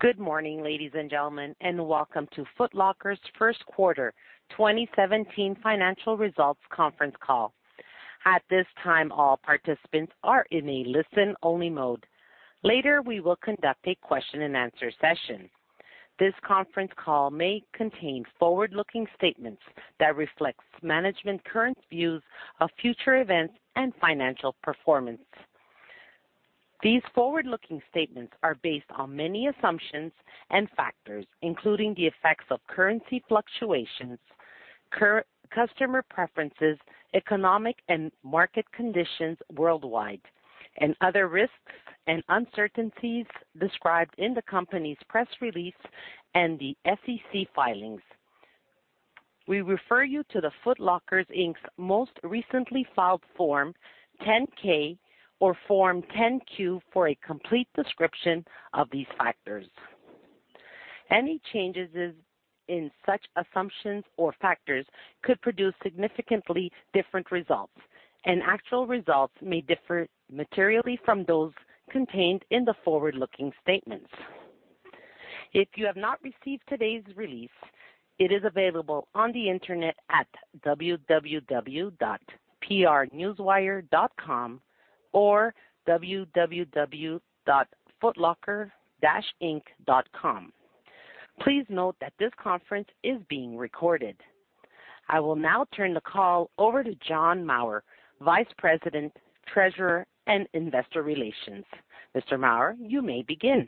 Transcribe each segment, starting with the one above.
Good morning, ladies and gentlemen, and welcome to Foot Locker's first quarter 2017 financial results conference call. At this time, all participants are in a listen-only mode. Later, we will conduct a question and answer session. This conference call may contain forward-looking statements that reflects management's current views of future events and financial performance. These forward-looking statements are based on many assumptions and factors, including the effects of currency fluctuations, customer preferences, economic and market conditions worldwide, and other risks and uncertainties described in the company's press release and the SEC filings. We refer you to the Foot Locker, Inc.'s most recently filed Form 10-K or Form 10-Q for a complete description of these factors. Any changes in such assumptions or factors could produce significantly different results. Actual results may differ materially from those contained in the forward-looking statements. If you have not received today's release, it is available on the internet at www.prnewswire.com or www.footlocker-inc.com. Please note that this conference is being recorded. I will now turn the call over to John Maurer, Vice President, Treasurer, and Investor Relations. Mr. Maurer, you may begin.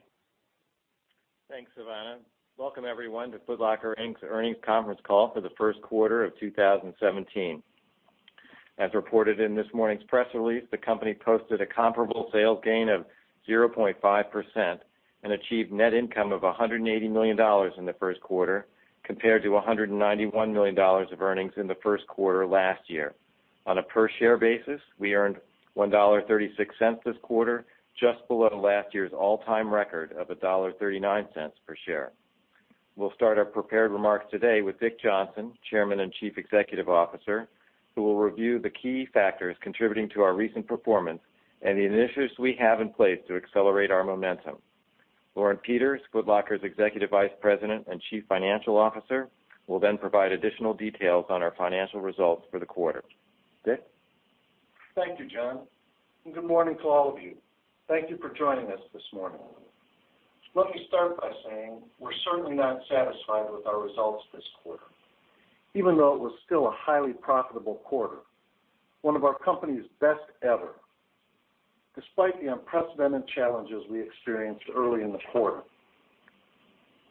Thanks, Silvana. Welcome, everyone, to Foot Locker, Inc.'s Earnings Conference Call for the first quarter of 2017. As reported in this morning's press release, the company posted a comparable sales gain of 0.5% and achieved net income of $180 million in the first quarter, compared to $191 million of earnings in the first quarter last year. On a per share basis, we earned $1.36 this quarter, just below last year's all-time record of $1.39 per share. We'll start our prepared remarks today with Dick Johnson, Chairman and Chief Executive Officer, who will review the key factors contributing to our recent performance and the initiatives we have in place to accelerate our momentum. Lauren Peters, Foot Locker's Executive Vice President and Chief Financial Officer, will provide additional details on our financial results for the quarter. Dick? Thank you, John. Good morning to all of you. Thank you for joining us this morning. Let me start by saying we're certainly not satisfied with our results this quarter, even though it was still a highly profitable quarter, one of our company's best ever, despite the unprecedented challenges we experienced early in the quarter.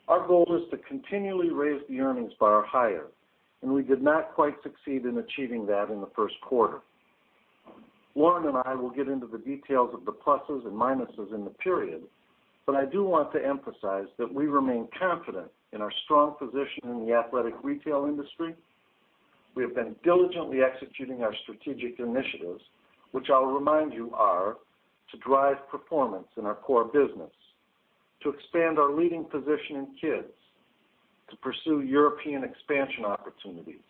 Our goal is to continually raise the earnings bar higher. We did not quite succeed in achieving that in the first quarter. Lauren and I will get into the details of the pluses and minuses in the period. I do want to emphasize that we remain confident in our strong position in the athletic retail industry. We have been diligently executing our strategic initiatives, which I'll remind you are to drive performance in our core business, to expand our leading position in kids, to pursue European expansion opportunities,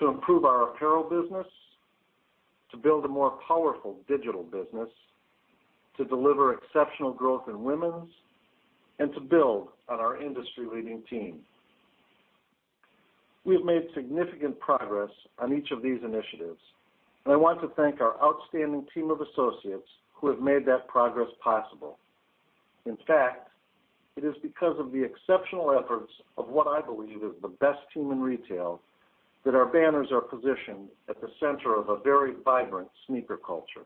to improve our apparel business, to build a more powerful digital business, to deliver exceptional growth in women's, and to build on our industry-leading team. We have made significant progress on each of these initiatives, and I want to thank our outstanding team of associates who have made that progress possible. In fact, it is because of the exceptional efforts of what I believe is the best team in retail, that our banners are positioned at the center of a very vibrant sneaker culture.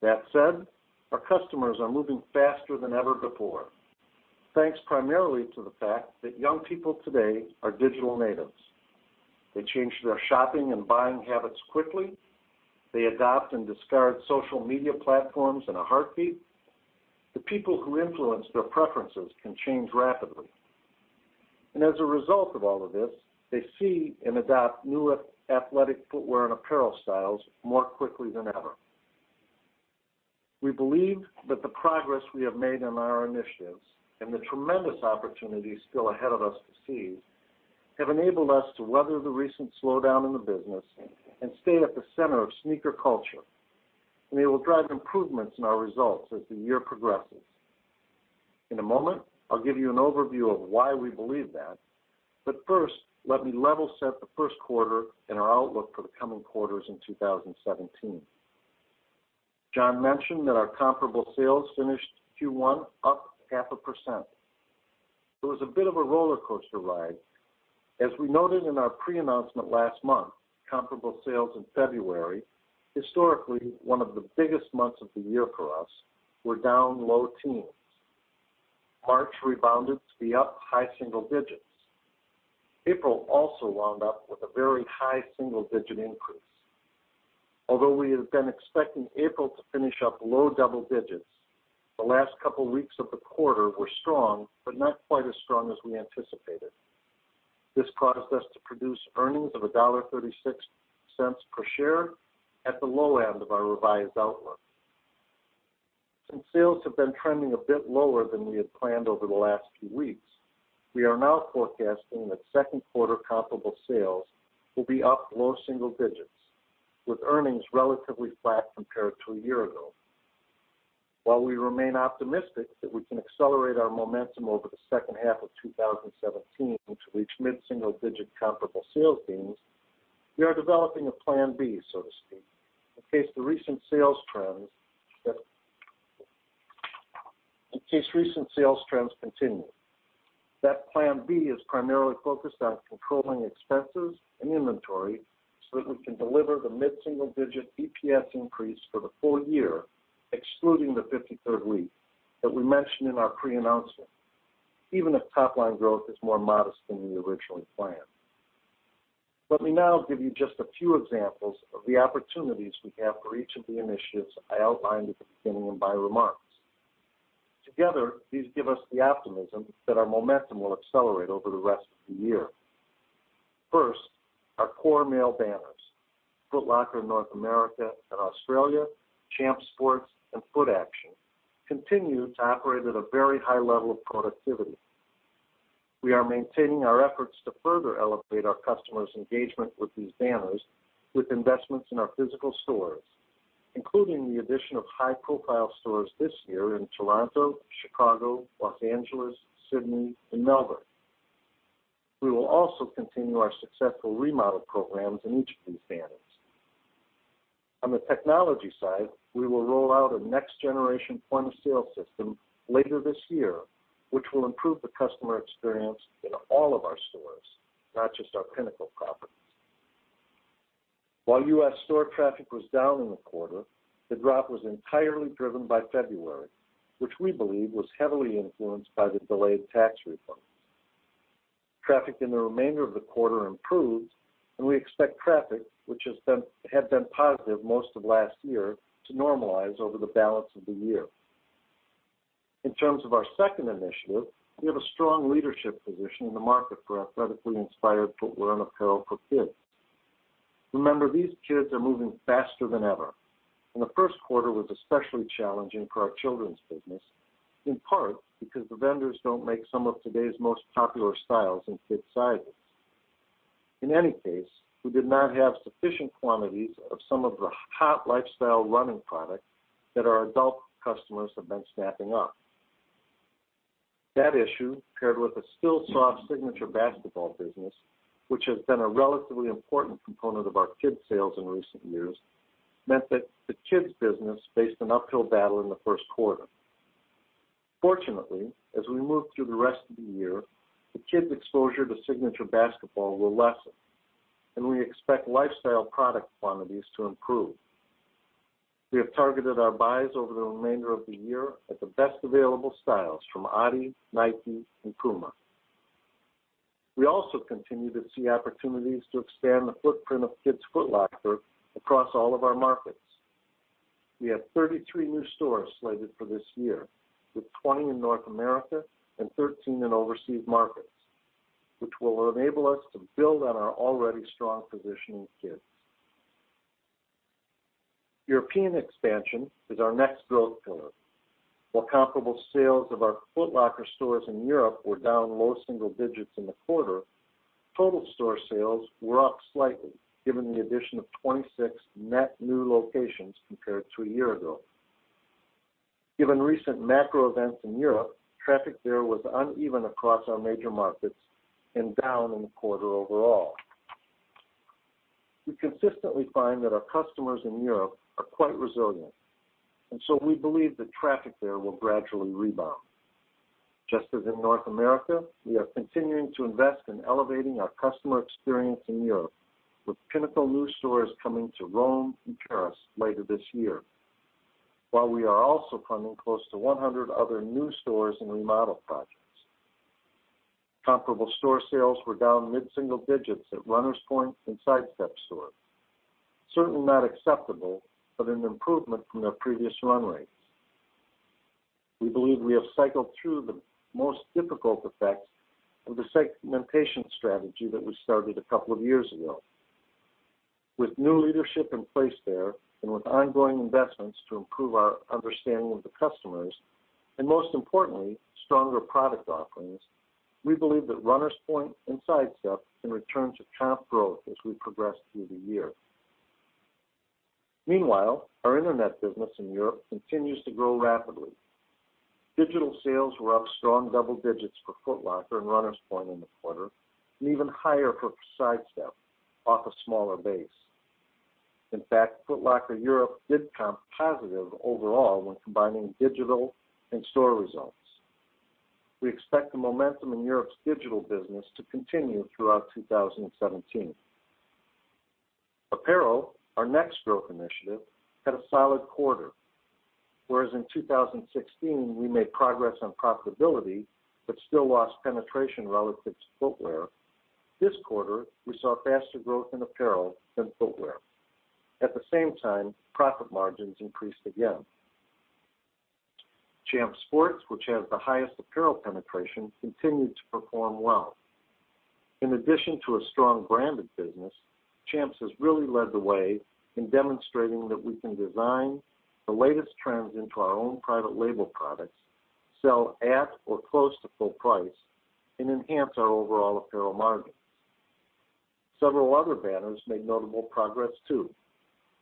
That said, our customers are moving faster than ever before, thanks primarily to the fact that young people today are digital natives. They change their shopping and buying habits quickly. They adopt and discard social media platforms in a heartbeat. The people who influence their preferences can change rapidly. As a result of all of this, they see and adopt new athletic footwear and apparel styles more quickly than ever. We believe that the progress we have made on our initiatives and the tremendous opportunities still ahead of us to seize have enabled us to weather the recent slowdown in the business and stay at the center of sneaker culture, and it will drive improvements in our results as the year progresses. In a moment, I'll give you an overview of why we believe that, but first, let me level set the first quarter and our outlook for the coming quarters in 2017. John mentioned that our comparable sales finished Q1 up 0.5%. It was a bit of a rollercoaster ride. As we noted in our pre-announcement last month, comparable sales in February, historically one of the biggest months of the year for us, were down low teens. March rebounded to be up high single digits. April also wound up with a very high single-digit increase. Although we had been expecting April to finish up low double digits, the last couple weeks of the quarter were strong, but not quite as strong as we anticipated. This caused us to produce earnings of $1.36 per share at the low end of our revised outlook. Since sales have been trending a bit lower than we had planned over the last few weeks, we are now forecasting that second quarter comparable sales will be up low single digits. With earnings relatively flat compared to a year ago. While we remain optimistic that we can accelerate our momentum over the second half of 2017 to reach mid-single-digit comparable sales gains, we are developing a Plan B, so to speak, in case the recent sales trends continue. That Plan B is primarily focused on controlling expenses and inventory so that we can deliver the mid-single-digit EPS increase for the full year, excluding the 53rd week that we mentioned in our pre-announcement, even if top-line growth is more modest than we originally planned. Let me now give you just a few examples of the opportunities we have for each of the initiatives I outlined at the beginning of my remarks. Together, these give us the optimism that our momentum will accelerate over the rest of the year. First, our core male banners, Foot Locker North America and Australia, Champs Sports, and Footaction, continue to operate at a very high level of productivity. We are maintaining our efforts to further elevate our customers' engagement with these banners with investments in our physical stores, including the addition of high-profile stores this year in Toronto, Chicago, Los Angeles, Sydney, and Melbourne. We will also continue our successful remodel programs in each of these banners. On the technology side, we will roll out a next-generation point-of-sale system later this year, which will improve the customer experience in all of our stores, not just our pinnacle properties. While U.S. store traffic was down in the quarter, the drop was entirely driven by February, which we believe was heavily influenced by the delayed tax reforms. Traffic in the remainder of the quarter improved and we expect traffic, which had been positive most of last year, to normalize over the balance of the year. In terms of our second initiative, we have a strong leadership position in the market for athletically inspired footwear and apparel for kids. Remember, these kids are moving faster than ever, and the first quarter was especially challenging for our children's business, in part because the vendors don't make some of today's most popular styles in kids' sizes. In any case, we did not have sufficient quantities of some of the hot lifestyle running products that our adult customers have been snapping up. That issue, paired with a still soft signature basketball business, which has been a relatively important component of our kids' sales in recent years, meant that the kids business faced an uphill battle in the first quarter. Fortunately, as we move through the rest of the year, the kids' exposure to signature basketball will lessen, and we expect lifestyle product quantities to improve. We have targeted our buys over the remainder of the year at the best available styles from adi, Nike, and PUMA. We also continue to see opportunities to expand the footprint of Kids Foot Locker across all of our markets. We have 33 new stores slated for this year, with 20 in North America and 13 in overseas markets, which will enable us to build on our already strong position in kids. European expansion is our next growth pillar. While comparable sales of our Foot Locker stores in Europe were down low single digits in the quarter, total store sales were up slightly given the addition of 26 net new locations compared to a year ago. Given recent macro events in Europe, traffic there was uneven across our major markets and down in the quarter overall. We consistently find that our customers in Europe are quite resilient, so we believe that traffic there will gradually rebound. Just as in North America, we are continuing to invest in elevating our customer experience in Europe with pinnacle new stores coming to Rome and Paris later this year. While we are also planning close to 100 other new stores and remodel projects. Comparable store sales were down mid-single digits at Runners Point and Sidestep stores. Certainly not acceptable, but an improvement from their previous run rates. We believe we have cycled through the most difficult effects of the segmentation strategy that we started a couple of years ago. With new leadership in place there and with ongoing investments to improve our understanding of the customers, and most importantly, stronger product offerings, we believe that Runners Point and Sidestep can return to comp growth as we progress through the year. Meanwhile, our internet business in Europe continues to grow rapidly. Digital sales were up strong double digits for Foot Locker and Runners Point in the quarter and even higher for Sidestep, off a smaller base. In fact, Foot Locker Europe did comp positive overall when combining digital and store results. We expect the momentum in Europe's digital business to continue throughout 2017. Apparel, our next growth initiative, had a solid quarter. Whereas in 2016, we made progress on profitability but still lost penetration relative to footwear, this quarter, we saw faster growth in apparel than footwear. At the same time, profit margins increased again. Champs Sports, which has the highest apparel penetration, continued to perform well. In addition to a strong branded business, Champs has really led the way in demonstrating that we can design the latest trends into our own private label products Sell at or close to full price and enhance our overall apparel margin. Several other banners made notable progress too.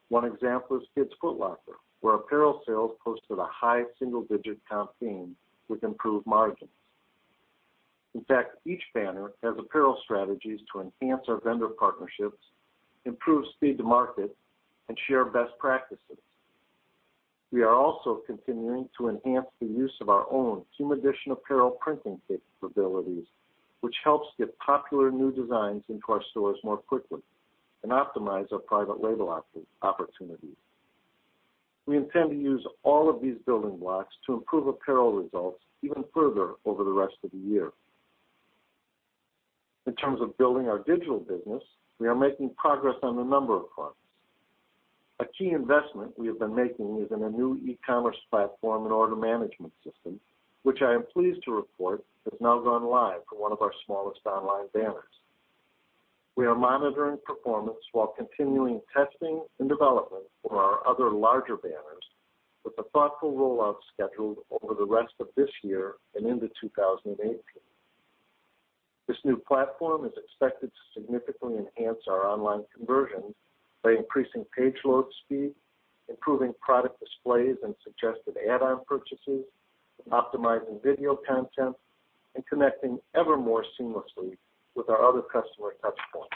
One example is Kids Foot Locker, where apparel sales posted a high single-digit comp gain with improved margins. In fact, each banner has apparel strategies to enhance our vendor partnerships, improve speed to market and share best practices. We are also continuing to enhance the use of our own PUMA edition apparel printing capabilities, which helps get popular new designs into our stores more quickly and optimize our private label opportunities. We intend to use all of these building blocks to improve apparel results even further over the rest of the year. In terms of building our digital business, we are making progress on a number of fronts. A key investment we have been making is in a new e-commerce platform and order management system, which I am pleased to report has now gone live for one of our smallest online banners. We are monitoring performance while continuing testing and development for our other larger banners, with a thoughtful rollout scheduled over the rest of this year and into 2018. This new platform is expected to significantly enhance our online conversions by increasing page load speed, improving product displays and suggested add-on purchases, optimizing video content and connecting ever more seamlessly with our other customer touch points.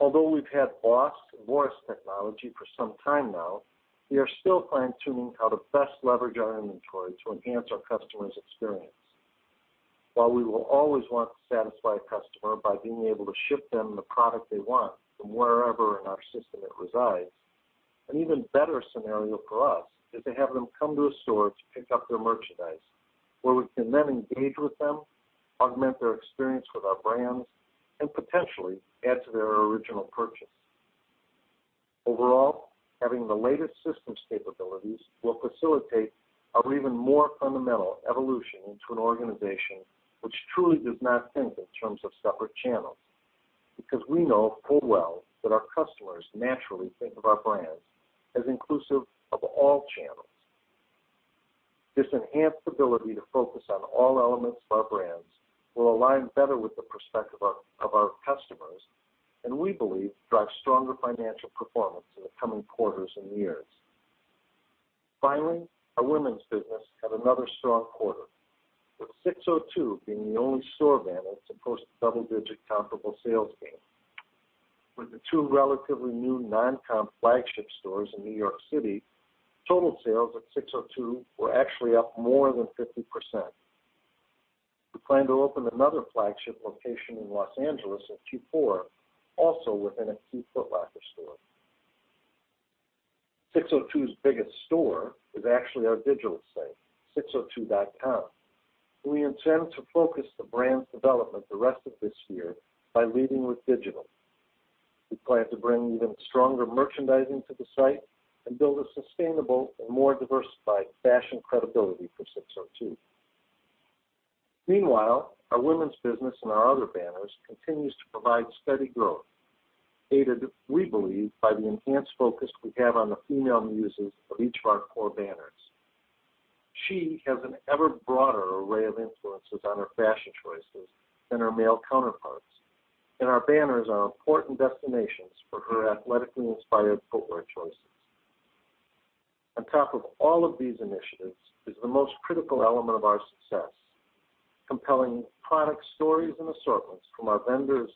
Although we've had BOPIS and BORIS technology for some time now, we are still fine-tuning how to best leverage our inventory to enhance our customers' experience. While we will always want to satisfy a customer by being able to ship them the product they want from wherever in our system it resides, an even better scenario for us is to have them come to a store to pick up their merchandise, where we can then engage with them, augment their experience with our brands, and potentially add to their original purchase. Overall, having the latest systems capabilities will facilitate our even more fundamental evolution into an organization which truly does not think in terms of separate channels, because we know full well that our customers naturally think of our brands as inclusive of all channels. This enhanced ability to focus on all elements of our brands will align better with the perspective of our customers. We believe drive stronger financial performance in the coming quarters and years. Finally, our women's business had another strong quarter, with SIX:02 being the only store banner to post double-digit comparable sales gain. With the two relatively new non-comp flagship stores in New York City, total sales at SIX:02 were actually up more than 50%. We plan to open another flagship location in Los Angeles in Q4, also within a key Foot Locker store. SIX:02's biggest store is actually our digital site, six02.com. We intend to focus the brand's development the rest of this year by leading with digital. We plan to bring even stronger merchandising to the site and build a sustainable and more diversified fashion credibility for SIX:02. Meanwhile, our women's business and our other banners continues to provide steady growth, aided, we believe, by the enhanced focus we have on the female muses of each of our core banners. She has an ever broader array of influences on her fashion choices than her male counterparts. Our banners are important destinations for her athletically inspired footwear choices. On top of all of these initiatives is the most critical element of our success. Compelling product stories and assortments from our vendors.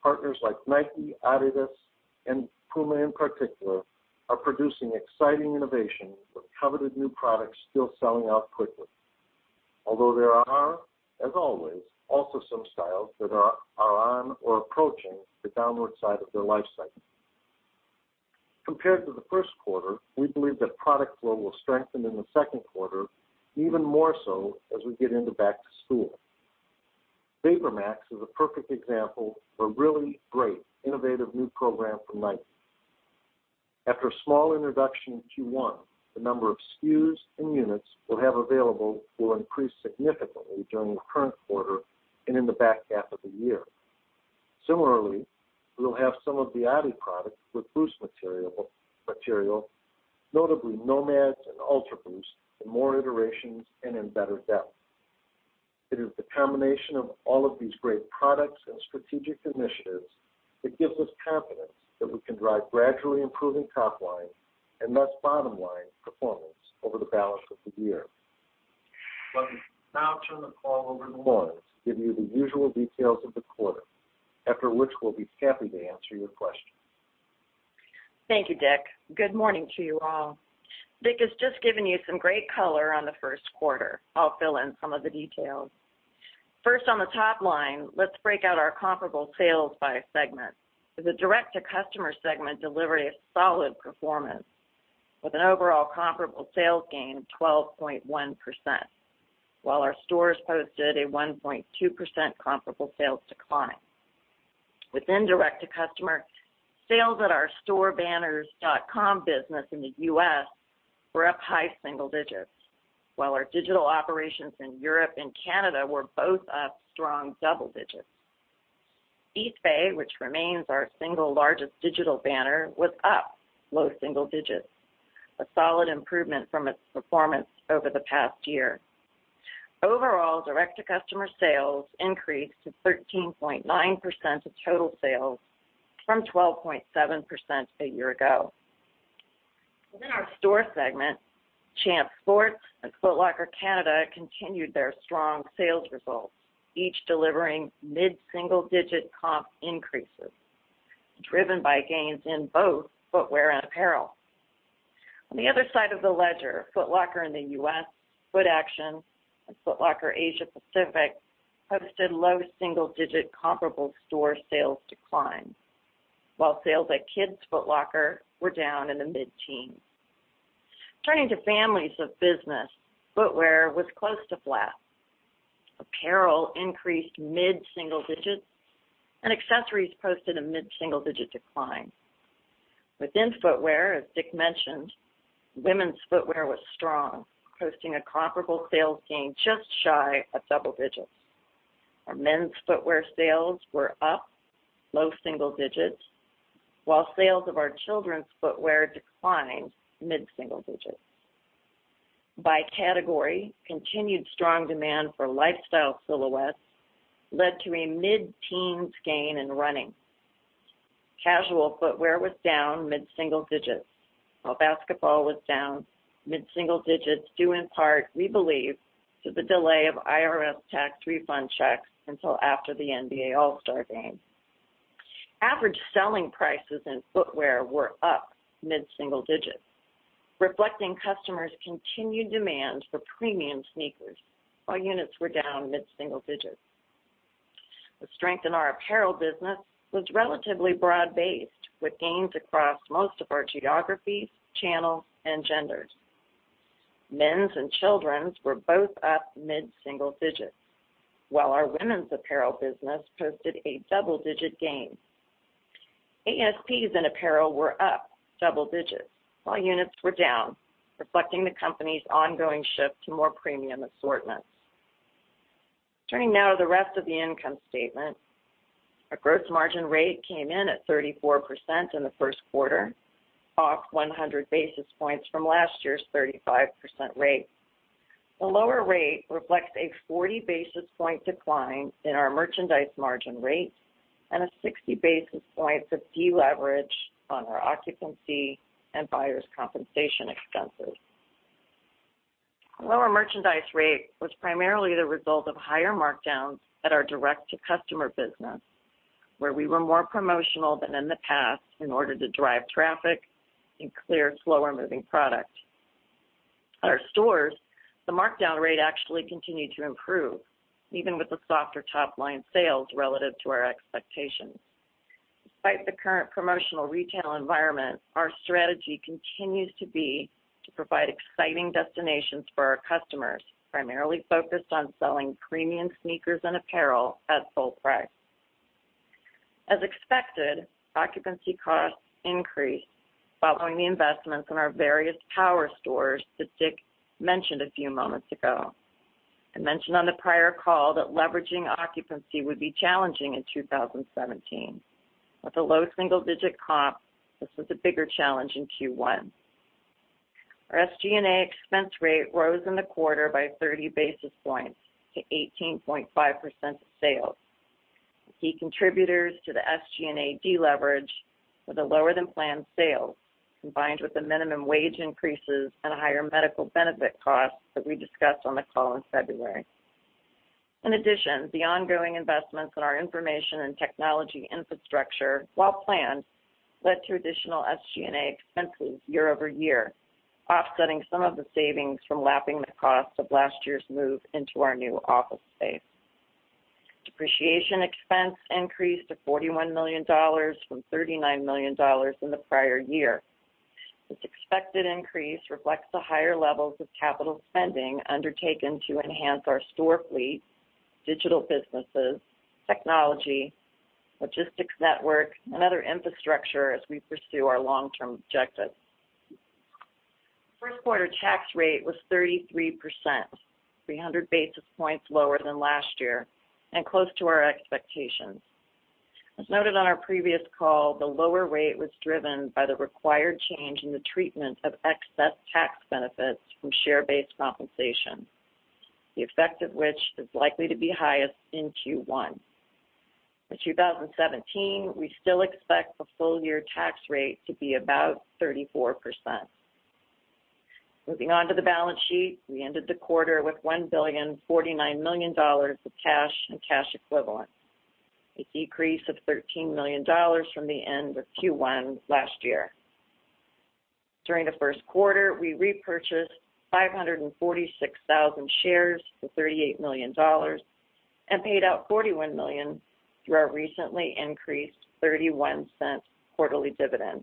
Partners like Nike, adidas and PUMA in particular, are producing exciting innovations with coveted new products still selling out quickly. Although there are, as always, also some styles that are on or approaching the downward side of their life cycle. Compared to the first quarter, we believe that product flow will strengthen in the second quarter even more so as we get into back to school. VaporMax is a perfect example of a really great innovative new program from Nike. After a small introduction in Q1, the number of SKUs and units we'll have available will increase significantly during the current quarter and in the back half of the year. Similarly, we will have some of the Adi products with Boost material, notably NMD and UltraBoost, in more iterations and in better depth. It is the combination of all of these great products and strategic initiatives that gives us confidence that we can drive gradually improving top line and thus bottom line performance over the balance of the year. Let me now turn the call over to Lauren to give you the usual details of the quarter, after which we'll be happy to answer your questions. Thank you, Dick. Good morning to you all. Dick has just given you some great color on the first quarter. I'll fill in some of the details. First on the top line, let's break out our comparable sales by segment. The direct-to-customer segment delivered a solid performance with an overall comparable sales gain of 12.1%, while our stores posted a 1.2% comparable sales decline. Within direct to customer, sales at our storebanners.com business in the U.S. were up high single digits, while our digital operations in Europe and Canada were both up strong double digits. eBay, which remains our single largest digital banner, was up low single digits, a solid improvement from its performance over the past year. Overall, direct-to-customer sales increased to 13.9% of total sales from 12.7% a year ago. Within our store segment, Champs Sports and Foot Locker Canada continued their strong sales results, each delivering mid-single-digit comp increases, driven by gains in both footwear and apparel. On the other side of the ledger, Foot Locker in the U.S., Footaction, and Foot Locker Asia Pacific posted low single-digit comparable store sales declines, while sales at Kids Foot Locker were down in the mid-teens. Turning to families of business, footwear was close to flat. Apparel increased mid-single digits, and accessories posted a mid-single-digit decline. Within footwear, as Dick mentioned, women's footwear was strong, posting a comparable sales gain just shy of double digits. Our men's footwear sales were up low single digits, while sales of our children's footwear declined mid-single digits. By category, continued strong demand for lifestyle silhouettes led to a mid-teens gain in running. Casual footwear was down mid-single digits, while basketball was down mid-single digits, due in part, we believe, to the delay of IRS tax refund checks until after the NBA All-Star Game. Average selling prices in footwear were up mid-single digits, reflecting customers' continued demand for premium sneakers, while units were down mid-single digits. The strength in our apparel business was relatively broad-based, with gains across most of our geographies, channels, and genders. Men's and children's were both up mid-single digits, while our women's apparel business posted a double-digit gain. ASPs in apparel were up double digits, while units were down, reflecting the company's ongoing shift to more premium assortments. Turning now to the rest of the income statement. Our gross margin rate came in at 34% in the first quarter, off 100 basis points from last year's 35% rate. The lower rate reflects a 40 basis point decline in our merchandise margin rate and a 60 basis point de-leverage on our occupancy and buyer's compensation expenses. The lower merchandise rate was primarily the result of higher markdowns at our direct-to-customer business, where we were more promotional than in the past in order to drive traffic and clear slower-moving product. At our stores, the markdown rate actually continued to improve, even with the softer top-line sales relative to our expectations. Despite the current promotional retail environment, our strategy continues to be to provide exciting destinations for our customers, primarily focused on selling premium sneakers and apparel at full price. As expected, occupancy costs increased following the investments in our various power stores that Dick mentioned a few moments ago. I mentioned on the prior call that leveraging occupancy would be challenging in 2017. With a low single-digit comp, this was a bigger challenge in Q1. Our SG&A expense rate rose in the quarter by 30 basis points to 18.5% of sales. The key contributors to the SG&A deleverage were the lower-than-planned sales, combined with the minimum wage increases and higher medical benefit costs that we discussed on the call in February. In addition, the ongoing investments in our information and technology infrastructure, while planned, led to additional SG&A expenses year-over-year, offsetting some of the savings from lapping the cost of last year's move into our new office space. Depreciation expense increased to $41 million from $39 million in the prior year. This expected increase reflects the higher levels of capital spending undertaken to enhance our store fleet, digital businesses, technology, logistics network, and other infrastructure as we pursue our long-term objectives. First quarter tax rate was 33%, 300 basis points lower than last year and close to our expectations. As noted on our previous call, the lower rate was driven by the required change in the treatment of excess tax benefits from share-based compensation, the effect of which is likely to be highest in Q1. In 2017, we still expect the full-year tax rate to be about 34%. Moving on to the balance sheet. We ended the quarter with $1.049 billion of cash and cash equivalents, a decrease of $13 million from the end of Q1 last year. During the first quarter, we repurchased 546,000 shares for $38 million and paid out $41 million through our recently increased $0.31 quarterly dividend.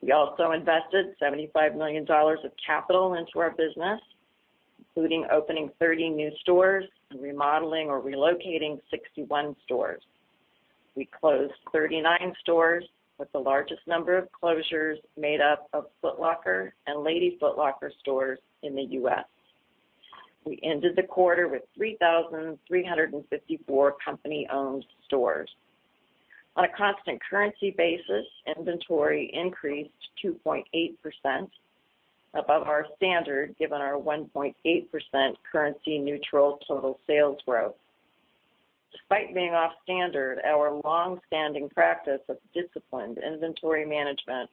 We also invested $75 million of capital into our business, including opening 30 new stores and remodeling or relocating 61 stores. We closed 39 stores, with the largest number of closures made up of Foot Locker and Lady Foot Locker stores in the U.S. We ended the quarter with 3,354 company-owned stores. On a constant currency basis, inventory increased 2.8%, above our standard, given our 1.8% currency neutral total sales growth. Despite being off standard, our longstanding practice of disciplined inventory management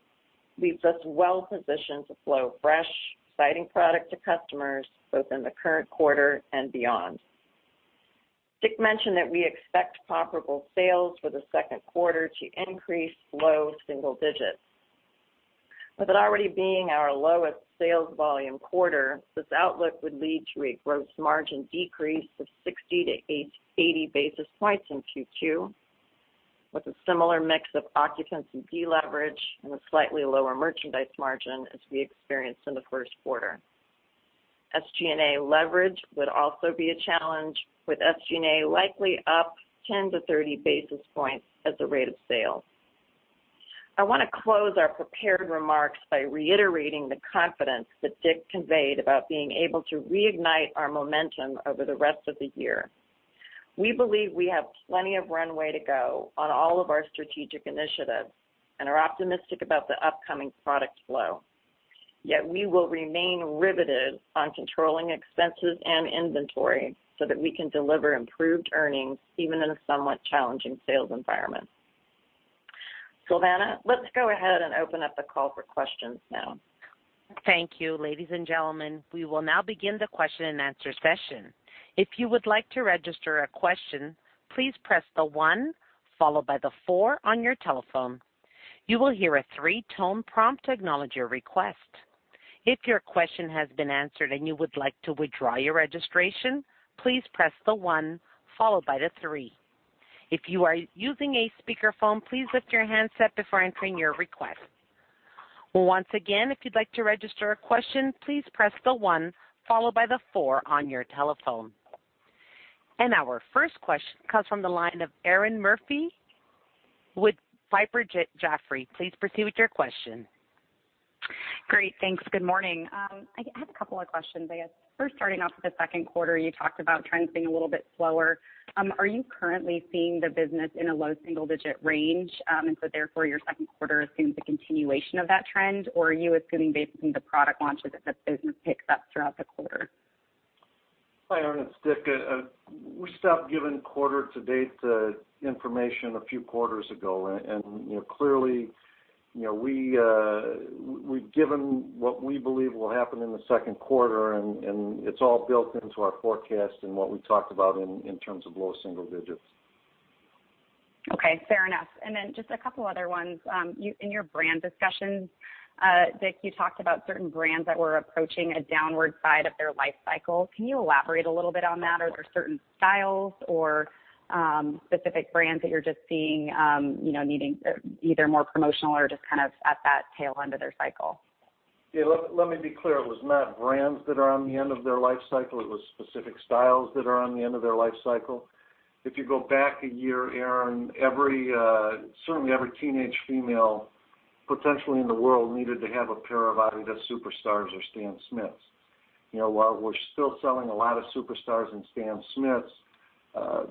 leaves us well positioned to flow fresh, exciting product to customers, both in the current quarter and beyond. Dick mentioned that we expect comparable sales for the second quarter to increase low single digits. With it already being our lowest sales volume quarter, this outlook would lead to a gross margin decrease of 60 to 80 basis points in Q2, with a similar mix of occupancy deleverage and a slightly lower merchandise margin as we experienced in the first quarter. SG&A leverage would also be a challenge, with SG&A likely up 10 to 30 basis points as a rate of sale. I want to close our prepared remarks by reiterating the confidence that Dick conveyed about being able to reignite our momentum over the rest of the year. We believe we have plenty of runway to go on all of our strategic initiatives and are optimistic about the upcoming product flow. We will remain riveted on controlling expenses and inventory so that we can deliver improved earnings, even in a somewhat challenging sales environment. Silvana, let's go ahead and open up the call for questions now. Thank you. Ladies and gentlemen, we will now begin the question and answer session. If you would like to register a question, please press the one followed by the four on your telephone. You will hear a three-tone prompt to acknowledge your request. If your question has been answered and you would like to withdraw your registration, please press the one followed by the three. If you are using a speakerphone, please lift your handset before entering your request. Once again, if you'd like to register a question, please press the one followed by the four on your telephone. Our first question comes from the line of Erinn Murphy with Piper Jaffray. Please proceed with your question. Great. Thanks. Good morning. I have a couple of questions, I guess. First, starting off with the second quarter, you talked about trends being a little bit slower. Are you currently seeing the business in a low single-digit range, therefore your second quarter is going to be a continuation of that trend, or are you assuming based on the product launches that the business picks up throughout the quarter? Hi, Erinn, it's Dick. We stopped giving quarter-to-date information a few quarters ago. Clearly, we've given what we believe will happen in the second quarter. It's all built into our forecast and what we talked about in terms of low single-digits. Okay, fair enough. Just a couple other ones. In your brand discussions, Dick, you talked about certain brands that were approaching a downward side of their life cycle. Can you elaborate a little bit on that? Sure. Are there certain styles or specific brands that you're just seeing needing either more promotional or just at that tail end of their cycle? Let me be clear. It was not brands that are on the end of their life cycle. It was specific styles that are on the end of their life cycle. If you go back a year, Erinn, certainly every teenage female potentially in the world needed to have a pair of either Superstar or Stan Smith. While we're still selling a lot of Superstar and Stan Smith,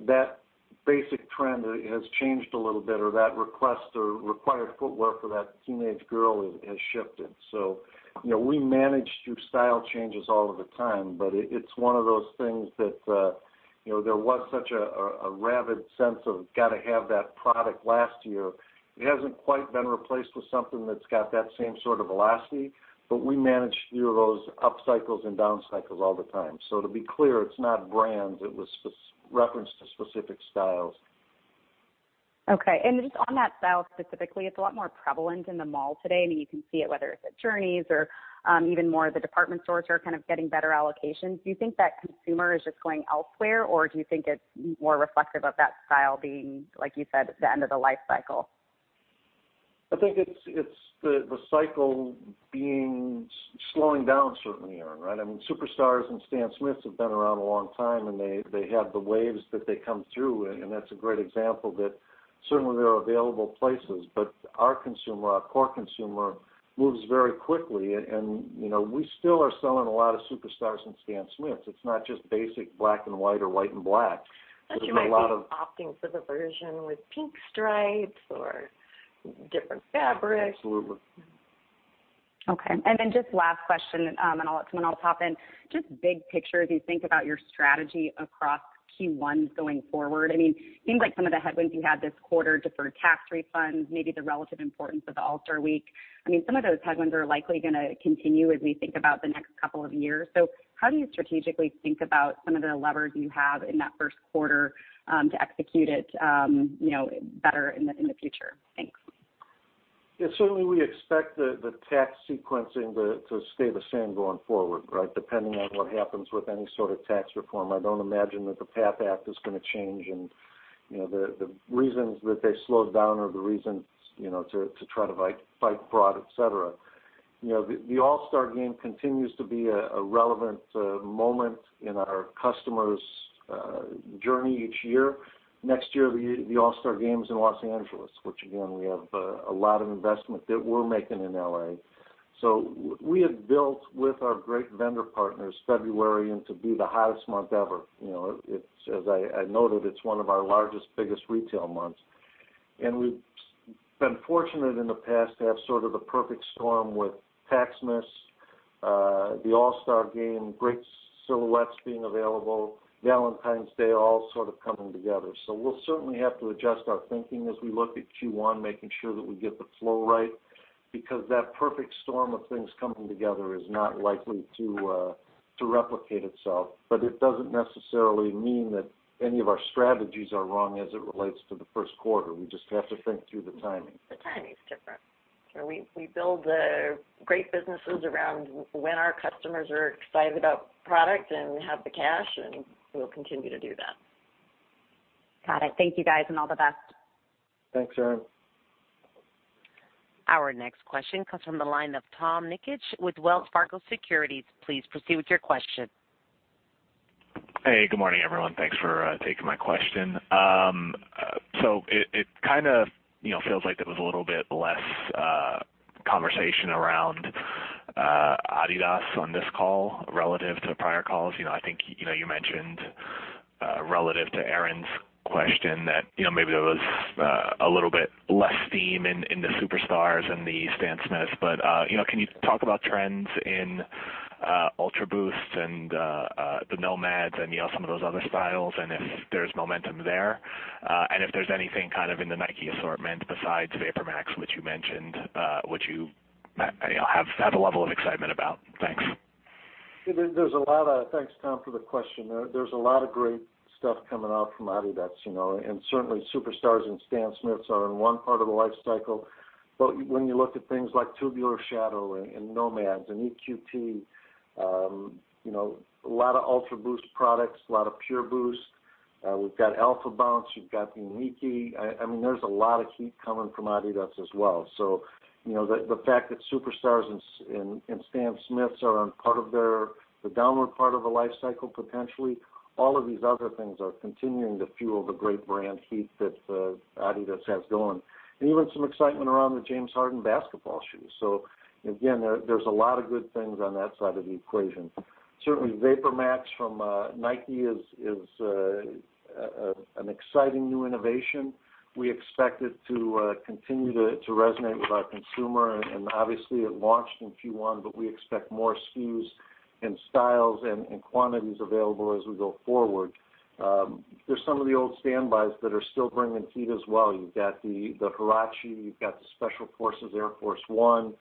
that basic trend has changed a little bit, or that request or required footwear for that teenage girl has shifted. We manage through style changes all of the time, but it's one of those things that there was such a rabid sense of got to have that product last year. It hasn't quite been replaced with something that's got that same sort of velocity, but we manage through those up cycles and down cycles all the time. To be clear, it's not brands. It was referenced to specific styles. Okay. Just on that style specifically, it's a lot more prevalent in the mall today. You can see it, whether it's at Journeys or even more of the department stores are getting better allocations. Do you think that consumer is just going elsewhere, or do you think it's more reflective of that style being, like you said, at the end of the life cycle? I think it's the cycle being slowing down certainly, Erinn, right? Superstar and Stan Smith have been around a long time, and they have the waves that they come through, and that's a great example that certainly there are available places. Our consumer, our core consumer, moves very quickly and we still are selling a lot of Superstar and Stan Smith. It's not just basic black and white or white and black. I think you might be opting for the version with pink stripes or different fabric. Absolutely. Okay, just last question. I'll let someone else hop in. Big picture as you think about your strategy across Q1s going forward. It seems like some of the headwinds you had this quarter, deferred tax refunds, maybe the relative importance of the All-Star Week. Some of those headwinds are likely going to continue as we think about the next couple of years. How do you strategically think about some of the levers you have in that first quarter to execute it better in the future? Thanks. Yeah. Certainly, we expect the tax sequencing to stay the same going forward, right? Depending on what happens with any sort of tax reform. I don't imagine that the PATH Act is going to change. The reasons that they slowed down are the reasons to try to fight fraud, et cetera. The All-Star Game continues to be a relevant moment in our customers' journey each year. Next year, the All-Star Game is in Los Angeles, which again, we have a lot of investment that we're making in L.A. We have built with our great vendor partners February into be the hottest month ever. As I noted, it's one of our largest, biggest retail months. We've been fortunate in the past to have sort of the perfect storm with Taxmas, the All-Star Game, great silhouettes being available, Valentine's Day, all sort of coming together. We'll certainly have to adjust our thinking as we look at Q1, making sure that we get the flow right, because that perfect storm of things coming together is not likely to replicate itself. It doesn't necessarily mean that any of our strategies are wrong as it relates to the first quarter. We just have to think through the timing. The timing's different. We build great businesses around when our customers are excited about product and have the cash, and we'll continue to do that. Got it. Thank you guys, and all the best. Thanks, Erinn. Our next question comes from the line of Tom Nikic with Wells Fargo Securities. Please proceed with your question. Hey, good morning, everyone. Thanks for taking my question. It kind of feels like there was a little bit less conversation around Adidas on this call relative to prior calls. I think you mentioned relative to Erinn's question that maybe there was a little bit less steam in the Superstar and the Stan Smith. Can you talk about trends in UltraBoost and the NMD and some of those other styles and if there's momentum there? If there's anything in the Nike assortment besides VaporMax, which you mentioned, which you have had a level of excitement about. Thanks. Thanks, Tom, for the question. There's a lot of great stuff coming out from Adidas. Certainly Superstar and Stan Smith are in one part of the life cycle. When you look at things like Tubular Shadow and NMD and EQT, a lot of UltraBoost products, a lot of PureBoost. We've got AlphaBounce, you've got the Nike. There's a lot of heat coming from Adidas as well. The fact that Superstar and Stan Smith are on the downward part of a life cycle, potentially, all of these other things are continuing to fuel the great brand heat that Adidas has going. Even some excitement around the James Harden basketball shoes. Again, there's a lot of good things on that side of the equation. Certainly VaporMax from Nike is an exciting new innovation. We expect it to continue to resonate with our consumer, it launched in Q1, we expect more SKUs and styles and quantities available as we go forward. There's some of the old standbys that are still bringing heat as well. You've got the Huarache, you've got the Special Field Air Force 1,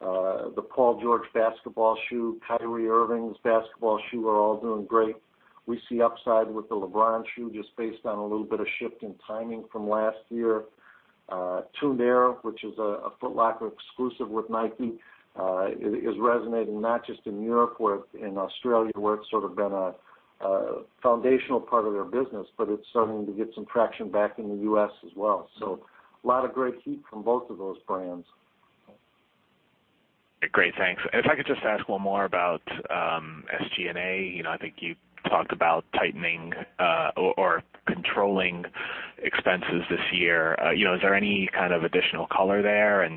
the Paul George basketball shoe, Kyrie Irving's basketball shoe are all doing great. We see upside with the LeBron shoe just based on a little bit of shift in timing from last year. Tuned Air, which is a Foot Locker exclusive with Nike is resonating not just in Europe or in Australia, where it's sort of been a foundational part of their business, it's starting to get some traction back in the U.S. as well. A lot of great heat from both of those brands. Great. Thanks. If I could just ask one more about SG&A. I think you talked about tightening or controlling expenses this year. Is there any kind of additional color there?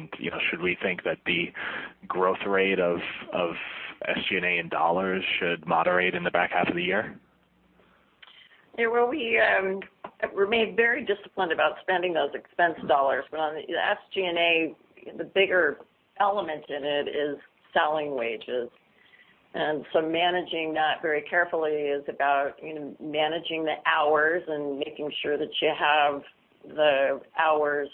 Should we think that the growth rate of SG&A in $ should moderate in the back half of the year? We remain very disciplined about spending those expense dollars. On the SG&A, the bigger element in it is selling wages. Managing that very carefully is about managing the hours and making sure that you have the hours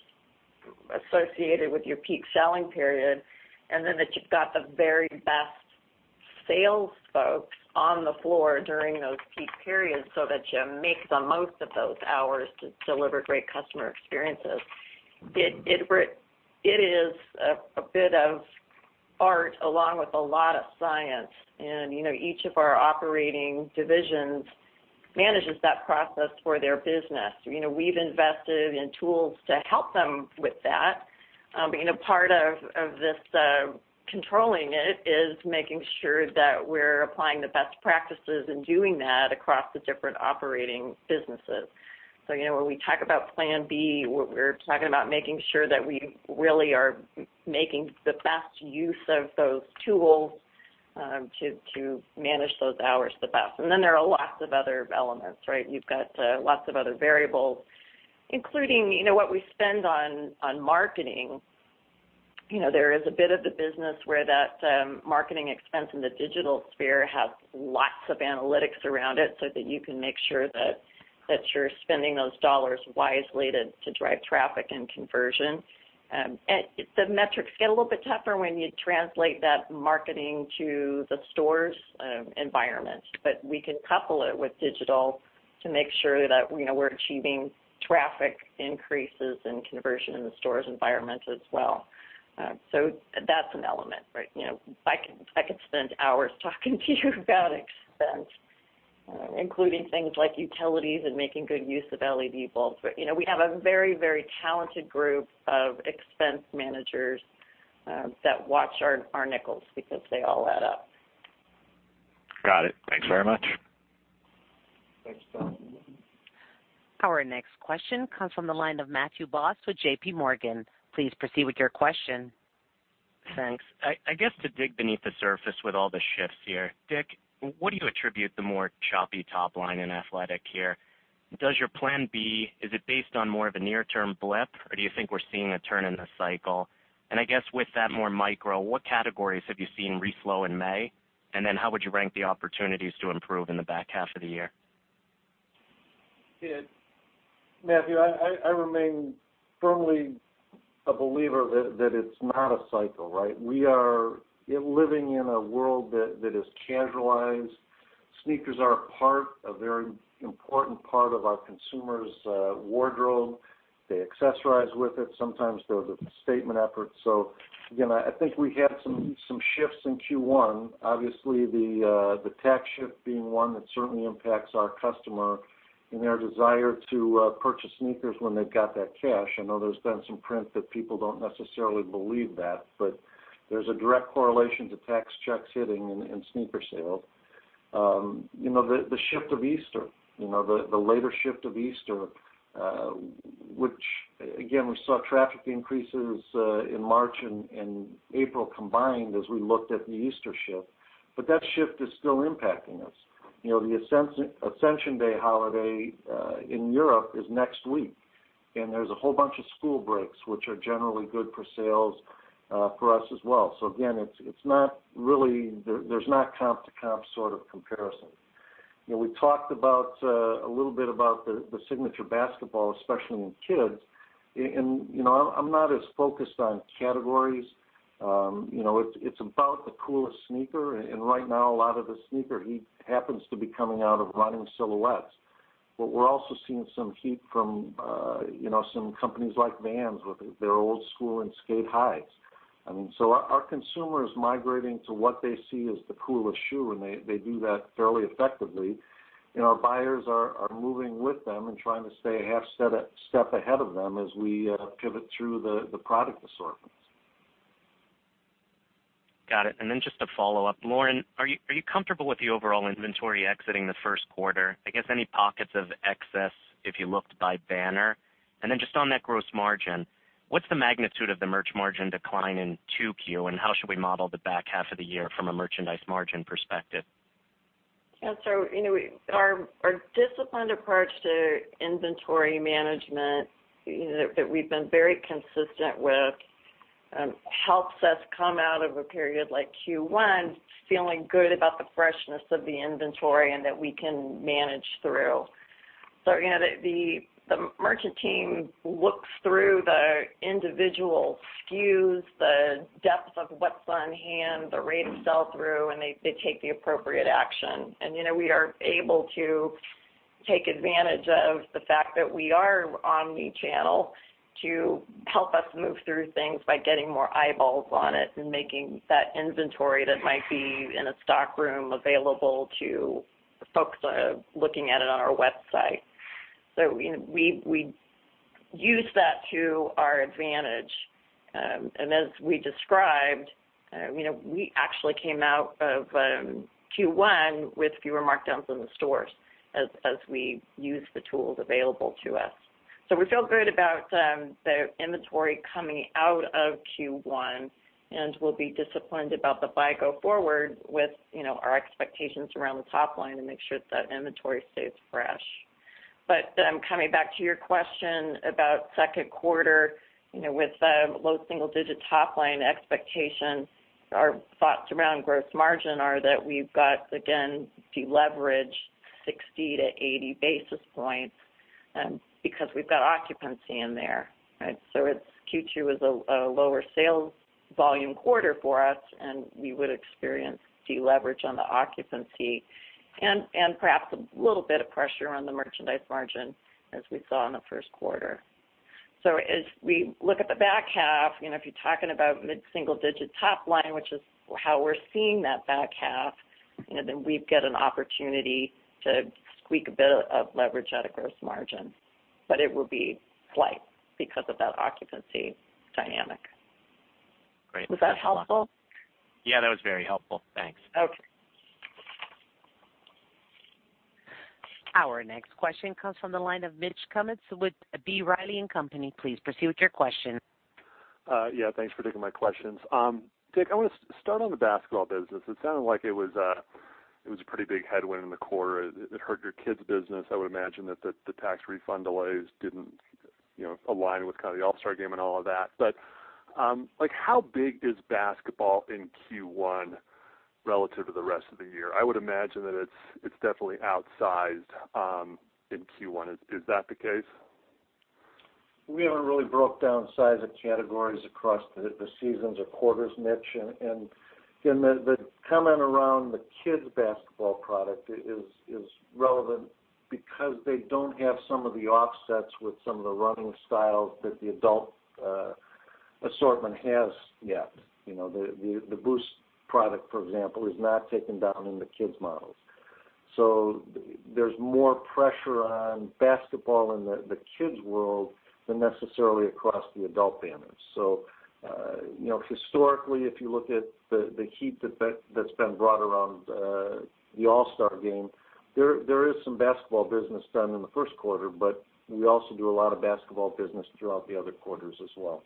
associated with your peak selling period, then that you've got the very best sales folks on the floor during those peak periods so that you make the most of those hours to deliver great customer experiences. It is a bit of art along with a lot of science. Each of our operating divisions manages that process for their business. We've invested in tools to help them with that. Part of this controlling it is making sure that we're applying the best practices and doing that across the different operating businesses. When we talk about plan B, we're talking about making sure that we really are making the best use of those tools to manage those hours the best. There are lots of other elements, right? You've got lots of other variables, including what we spend on marketing. There is a bit of the business where that marketing expense in the digital sphere has lots of analytics around it so that you can make sure that you're spending those dollars wisely to drive traffic and conversion. The metrics get a little bit tougher when you translate that marketing to the stores environment. We can couple it with digital to make sure that we're achieving traffic increases and conversion in the stores environment as well. That's an element, right? I could spend hours talking to you about expense, including things like utilities and making good use of LED bulbs. We have a very talented group of expense managers that watch our nickels because they all add up. Got it. Thanks very much. Thanks, Tom. Our next question comes from the line of Matthew Boss with JPMorgan. Please proceed with your question. Thanks. I guess to dig beneath the surface with all the shifts here. Dick, what do you attribute the more choppy top line in athletic here? Is your plan B based on more of a near-term blip, or do you think we're seeing a turn in the cycle? I guess with that more micro, what categories have you seen reflow in May? How would you rank the opportunities to improve in the back half of the year? Matthew, I remain firmly a believer that it's not a cycle, right? We are living in a world that is casualized. Sneakers are a part, a very important part of our consumer's wardrobe. They accessorize with it. Sometimes they're the statement efforts. Again, I think we had some shifts in Q1. Obviously, the tax shift being one that certainly impacts our customer and their desire to purchase sneakers when they've got that cash. I know there's been some print that people don't necessarily believe that, but there's a direct correlation to tax checks hitting in sneaker sales. The shift of Easter. The later shift of Easter, which again, we saw traffic increases in March and April combined as we looked at the Easter shift. That shift is still impacting us. The Ascension Day holiday in Europe is next week, There's a whole bunch of school breaks, which are generally good for sales for us as well. Again, there's not comp to comp sort of comparison. We talked a little bit about the signature basketball, especially in kids. I'm not as focused on categories. It's about the coolest sneaker, and right now a lot of the sneaker heat happens to be coming out of running silhouettes. We're also seeing some heat from some companies like Vans with their Old Skool and Sk8-Hi's. Our consumer is migrating to what they see as the coolest shoe, and they do that fairly effectively. Our buyers are moving with them and trying to stay a half step ahead of them as we pivot through the product assortments. Got it. Then just a follow-up. Lauren, are you comfortable with the overall inventory exiting the first quarter? I guess any pockets of excess if you looked by banner? Then just on that gross margin, what's the magnitude of the merch margin decline in 2Q, and how should we model the back half of the year from a merchandise margin perspective? Yeah. Our disciplined approach to inventory management that we've been very consistent with, helps us come out of a period like Q1 feeling good about the freshness of the inventory and that we can manage through. The merchant team looks through the individual SKUs, the depth of what's on hand, the rate of sell through, and they take the appropriate action. We are able to take advantage of the fact that we are omni-channel to help us move through things by getting more eyeballs on it and making that inventory that might be in a stockroom available to folks looking at it on our website. We use that to our advantage. As we described, we actually came out of Q1 with fewer markdowns in the stores as we used the tools available to us. We feel good about the inventory coming out of Q1, We'll be disciplined about the buy go forward with our expectations around the top line and make sure that inventory stays fresh. Coming back to your question about second quarter, with low single digit top line expectations, our thoughts around gross margin are that we've got, again, deleverage 60 to 80 basis points because we've got occupancy in there. Q2 is a lower sales volume quarter for us, and we would experience deleverage on the occupancy and perhaps a little bit of pressure on the merchandise margin as we saw in the first quarter. As we look at the back half, if you're talking about mid-single digit top line, which is how we're seeing that back half, We've got an opportunity to squeak a bit of leverage out of gross margin. It will be slight because of that occupancy dynamic. Great. Was that helpful? Yeah, that was very helpful. Thanks. Okay. Our next question comes from the line of Mitch Kummetz with B. Riley & Co.. Please proceed with your question. Yeah, thanks for taking my questions. Dick, I want to start on the basketball business. It sounded like it was a pretty big headwind in the quarter. It hurt your kids business. I would imagine that the tax refund delays didn't align with the All-Star Game and all of that. How big is basketball in Q1 relative to the rest of the year? I would imagine that it's definitely outsized in Q1. Is that the case? We haven't really broke down size of categories across the seasons or quarters, Mitch. The comment around the kids basketball product is relevant because they don't have some of the offsets with some of the running styles that the adult assortment has yet. The Boost product, for example, is not taken down in the kids models. There's more pressure on basketball in the kids world than necessarily across the adult banners. Historically, if you look at the heat that's been brought around the All-Star Game, there is some basketball business done in the first quarter, but we also do a lot of basketball business throughout the other quarters as well.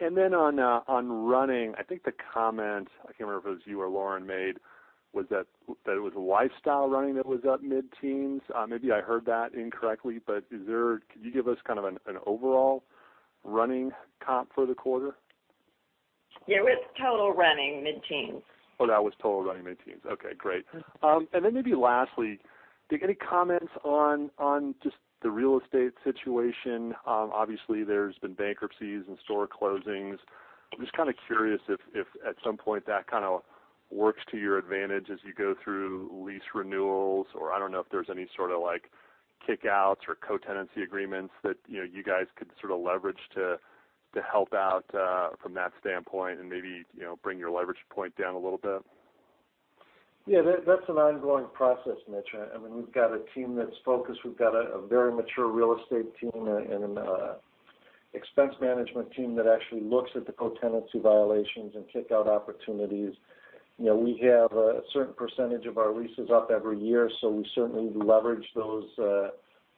Okay. Then on running, I think the comment, I can't remember if it was you or Lauren who made, was that it was lifestyle running that was up mid-teens. Maybe I heard that incorrectly, could you give us kind of an overall running comp for the quarter? Yeah. It was total running, mid-teens. Oh, that was total running mid-teens. Okay, great. Maybe lastly, Dick, any comments on just the real estate situation? Obviously, there's been bankruptcies and store closings. I'm just kind of curious if at some point that kind of works to your advantage as you go through lease renewals or I don't know if there's any sort of kick-outs or co-tenancy agreements that you guys could sort of leverage to help out from that standpoint and maybe bring your leverage point down a little bit. Yeah. That's an ongoing process, Mitch. We've got a team that's focused. We've got a very mature real estate team and an expense management team that actually looks at the co-tenancy violations and kick-out opportunities. We have a certain percentage of our leases up every year, so we certainly leverage those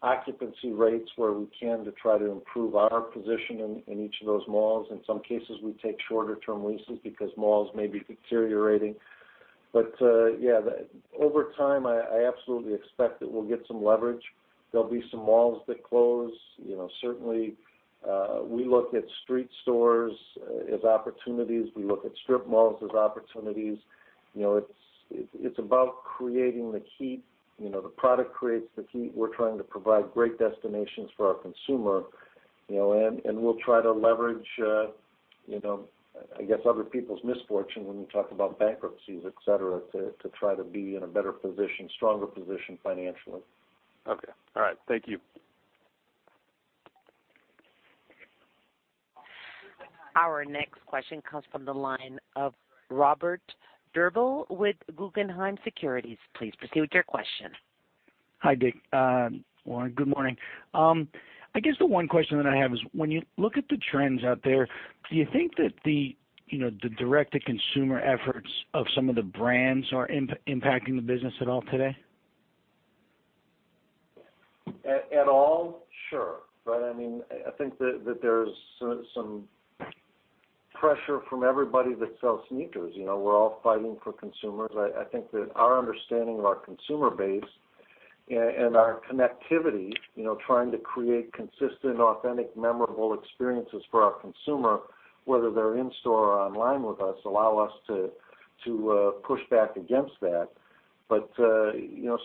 occupancy rates where we can to try to improve our position in each of those malls. In some cases, we take shorter term leases because malls may be deteriorating. Over time, I absolutely expect that we'll get some leverage. There'll be some malls that close. Certainly, we look at street stores as opportunities. We look at strip malls as opportunities. It's about creating the heat. The product creates the heat. We're trying to provide great destinations for our consumer. We'll try to leverage other people's misfortune when we talk about bankruptcies, et cetera, to try to be in a better position, stronger position financially. Okay. All right. Thank you. Our next question comes from the line of Robert Drbul with Guggenheim Securities. Please proceed with your question. Hi, Dick. Lauren, good morning. I guess the one question that I have is when you look at the trends out there, do you think that the direct-to-consumer efforts of some of the brands are impacting the business at all today? At all? Sure. I think that there's some pressure from everybody that sells sneakers. We're all fighting for consumers. I think that our understanding of our consumer base and our connectivity, trying to create consistent, authentic, memorable experiences for our consumer, whether they're in store or online with us, allow us to push back against that.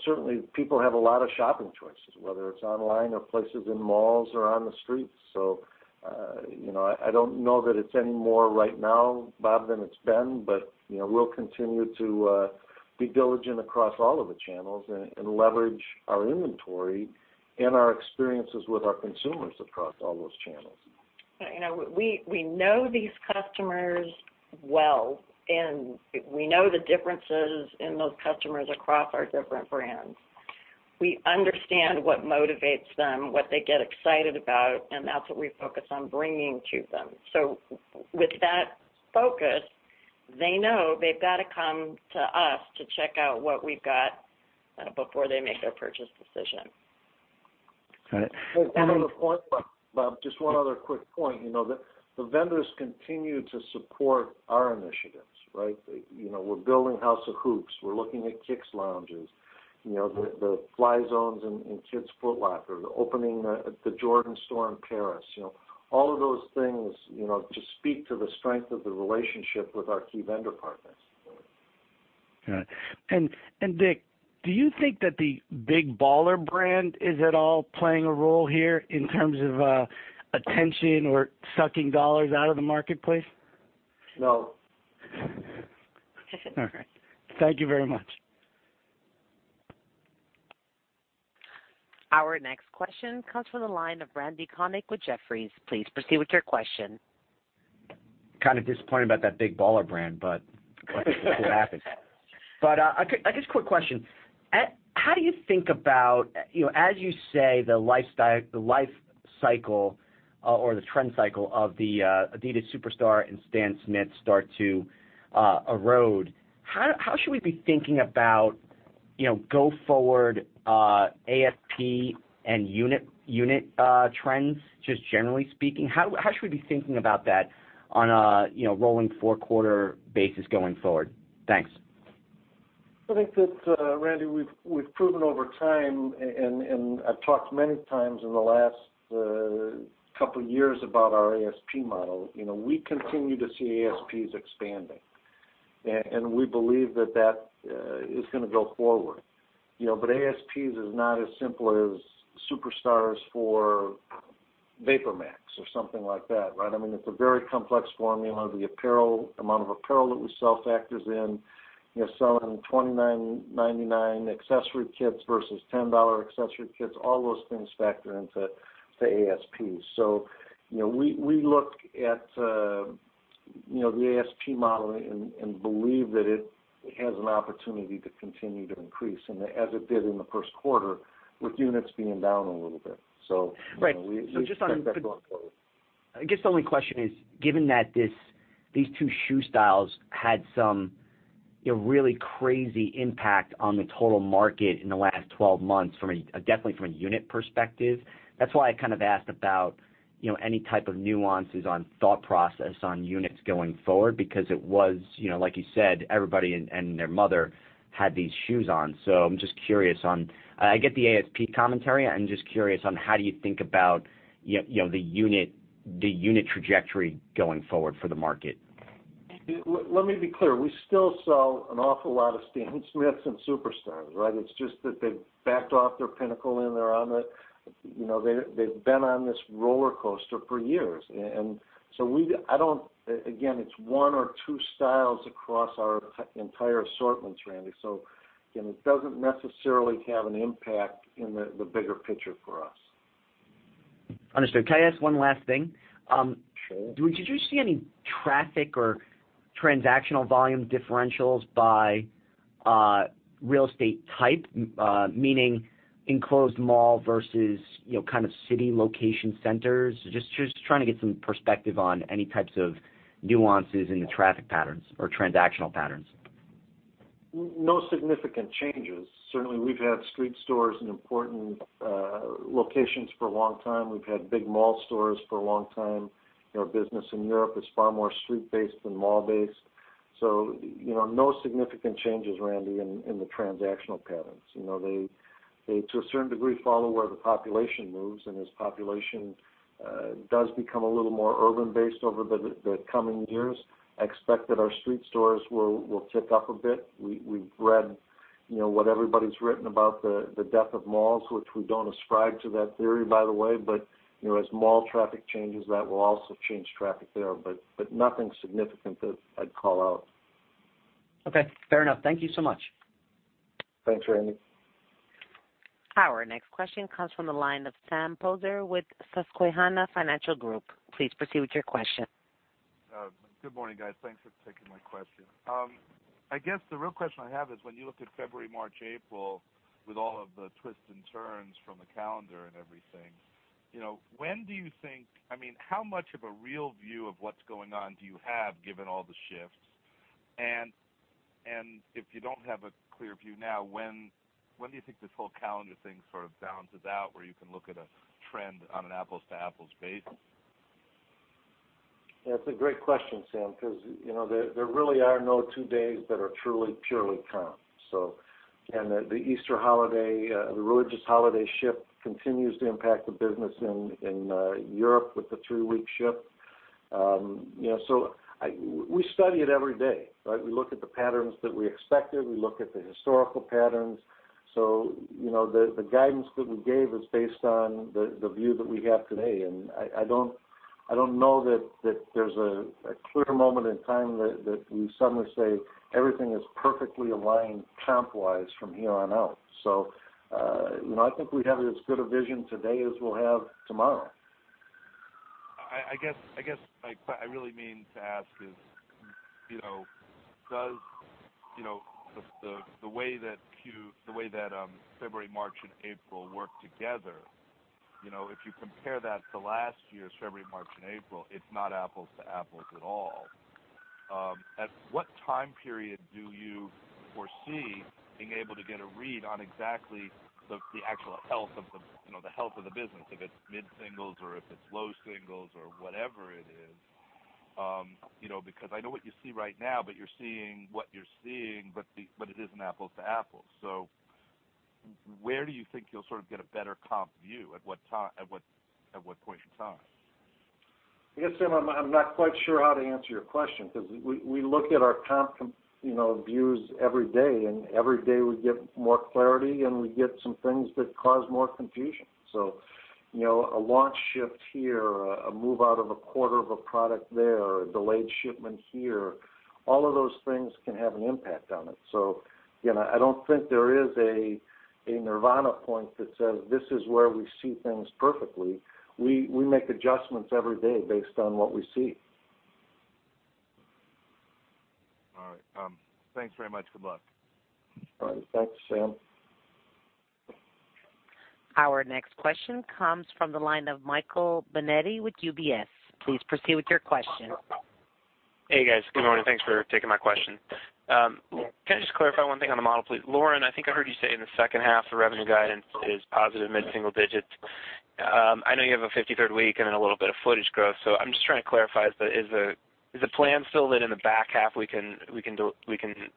Certainly, people have a lot of shopping choices, whether it's online or places in malls or on the streets. I don't know that it's any more right now, Bob, than it's been. We'll continue to be diligent across all of the channels and leverage our inventory and our experiences with our consumers across all those channels. We know these customers well, and we know the differences in those customers across our different brands. We understand what motivates them, what they get excited about, and that's what we focus on bringing to them. With that focus, they know they've got to come to us to check out what we've got before they make their purchase decision. Got it. One other point, Bob. Just one other quick point. The vendors continue to support our initiatives, right? We're building House of Hoops. We're looking at Kicks Lounges. The Fly Zones in Kids Foot Locker, opening the Jordan store in Paris. All of those things just speak to the strength of the relationship with our key vendor partners. Got it. Dick, do you think that the Big Baller Brand is at all playing a role here in terms of attention or sucking dollars out of the marketplace? No. All right. Thank you very much. Our next question comes from the line of Randal Konik with Jefferies. Please proceed with your question. Kind of disappointed about that Big Baller Brand, we'll see what happens. I guess a quick question. How do you think about, as you say, the life cycle or the trend cycle of the adidas Superstar and Stan Smith start to erode. How should we be thinking about go forward ASP and unit trends, just generally speaking? How should we be thinking about that on a rolling four quarter basis going forward? Thanks. I think that, Randy, we've proven over time, I've talked many times in the last couple of years about our ASP model. We continue to see ASPs expanding. We believe that is going to go forward. ASP is not as simple as Superstar for VaporMax or something like that, right? It's a very complex formula. The amount of apparel that we sell factors in. Selling $29.99 accessory kits versus $10 accessory kits, all those things factor into ASP. We look at the ASP model and believe that it has an opportunity to continue to increase as it did in the first quarter, with units being down a little bit. Right. We expect that going forward. I guess the only question is, given that these two shoe styles had some really crazy impact on the total market in the last 12 months, definitely from a unit perspective. That's why I asked about any type of nuances on thought process on units going forward, because it was, like you said, everybody and their mother had these shoes on. I'm just curious. I get the ASP commentary, I'm just curious on how you think about the unit trajectory going forward for the market. Let me be clear. We still sell an awful lot of sneakers. We have some Superstars, right? It's just that they've backed off their pinnacle and they've been on this roller coaster for years. Again, it's one or two styles across our entire assortments, Randal. Again, it doesn't necessarily have an impact in the bigger picture for us. Understood. Can I ask one last thing? Sure. Did you see any traffic or transactional volume differentials by real estate type? Meaning enclosed mall versus city location centers. Just trying to get some perspective on any types of nuances in the traffic patterns or transactional patterns. No significant changes. Certainly, we've had street stores in important locations for a long time. We've had big mall stores for a long time. Our business in Europe is far more street-based than mall-based. No significant changes, Randy, in the transactional patterns. They, to a certain degree, follow where the population moves and as population does become a little more urban-based over the coming years, I expect that our street stores will tick up a bit. We've read what everybody's written about the death of malls, which we don't ascribe to that theory, by the way. As mall traffic changes, that will also change traffic there. Nothing significant that I'd call out. Okay. Fair enough. Thank you so much. Thanks, Randy. Our next question comes from the line of Sam Poser with Susquehanna Financial Group. Please proceed with your question. Good morning, guys. Thanks for taking my question. I guess the real question I have is when you look at February, March, April, with all of the twists and turns from the calendar and everything, how much of a real view of what's going on do you have, given all the shifts? If you don't have a clear view now, when do you think this whole calendar thing sort of balances out where you can look at a trend on an apples-to-apples basis? That's a great question, Sam, because there really are no two days that are truly purely comp. The Easter holiday, the religious holiday shift continues to impact the business in Europe with the three-week shift. We study it every day, right? We look at the patterns that we expected. We look at the historical patterns. The guidance that we gave is based on the view that we have today, I don't know that there's a clear moment in time that we suddenly say everything is perfectly aligned comp-wise from here on out. I think we have as good a vision today as we'll have tomorrow. I guess, I really mean to ask is, the way that February, March, and April work together, if you compare that to last year's February, March, and April, it's not apples to apples at all. At what time period do you foresee being able to get a read on exactly the actual health of the business, if it's mid-singles or if it's low singles or whatever it is. I know what you see right now, you're seeing what you're seeing, but it isn't apples to apples. Where do you think you'll sort of get a better comp view? At what point in time? I guess, Sam, I'm not quite sure how to answer your question because we look at our comp views every day, every day we get more clarity, we get some things that cause more confusion. A launch shift here, a move out of a quarter of a product there, a delayed shipment here. All of those things can have an impact on it. I don't think there is a Nirvana point that says this is where we see things perfectly. We make adjustments every day based on what we see. All right. Thanks very much. Good luck. All right. Thanks, Sam. Our next question comes from the line of Michael Binetti with UBS. Please proceed with your question. Hey, guys. Good morning. Thanks for taking my question. Can I just clarify one thing on the model, please? Lauren, I think I heard you say in the second half, the revenue guidance is positive mid-single digits. I know you have a 53rd week and then a little bit of footage growth. I'm just trying to clarify. Is the plan still that in the back half we can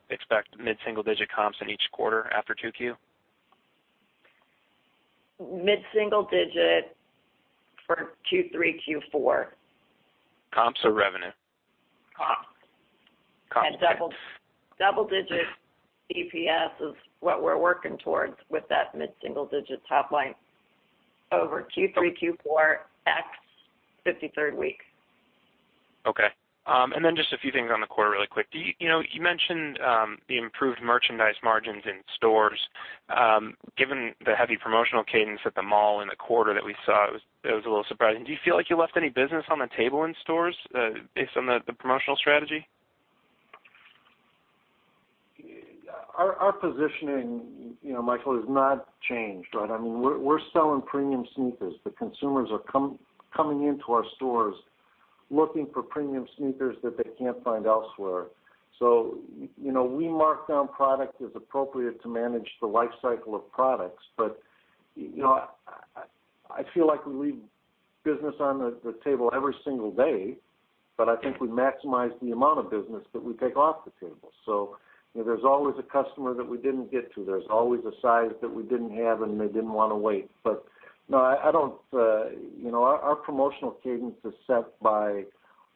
expect mid-single digit comps in each quarter after 2Q? Mid-single digit for Q3, Q4. Comps or revenue? Comps. Comps. Double-digit EPS is what we're working towards with that mid-single digit top line over Q3, Q4 ex 53rd week. Okay. Just a few things on the quarter really quick. You mentioned the improved merchandise margins in stores. Given the heavy promotional cadence at the mall in the quarter that we saw, it was a little surprising. Do you feel like you left any business on the table in stores based on the promotional strategy? Our positioning, Michael, has not changed, right? We are selling premium sneakers. The consumers are coming into our stores looking for premium sneakers that they cannot find elsewhere. We mark down product as appropriate to manage the life cycle of products. I feel like we leave business on the table every single day, but I think we maximize the amount of business that we take off the table. There is always a customer that we did not get to. There is always a size that we did not have, and they did not want to wait. No, our promotional cadence is set by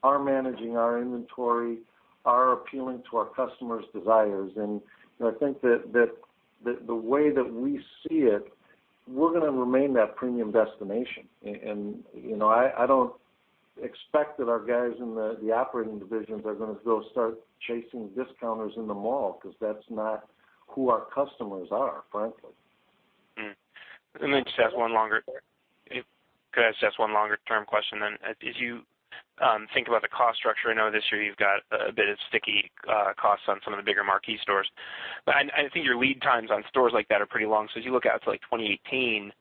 our managing our inventory, our appealing to our customers' desires. I think that the way that we see it, we are going to remain that premium destination. I don't expect that our guys in the operating divisions are going to go start chasing discounters in the mall because that is not who our customers are, frankly. Just have one longer term question. As you think about the cost structure, I know this year you have got a bit of sticky costs on some of the bigger marquee stores. I think your lead times on stores like that are pretty long. As you look out to 2018,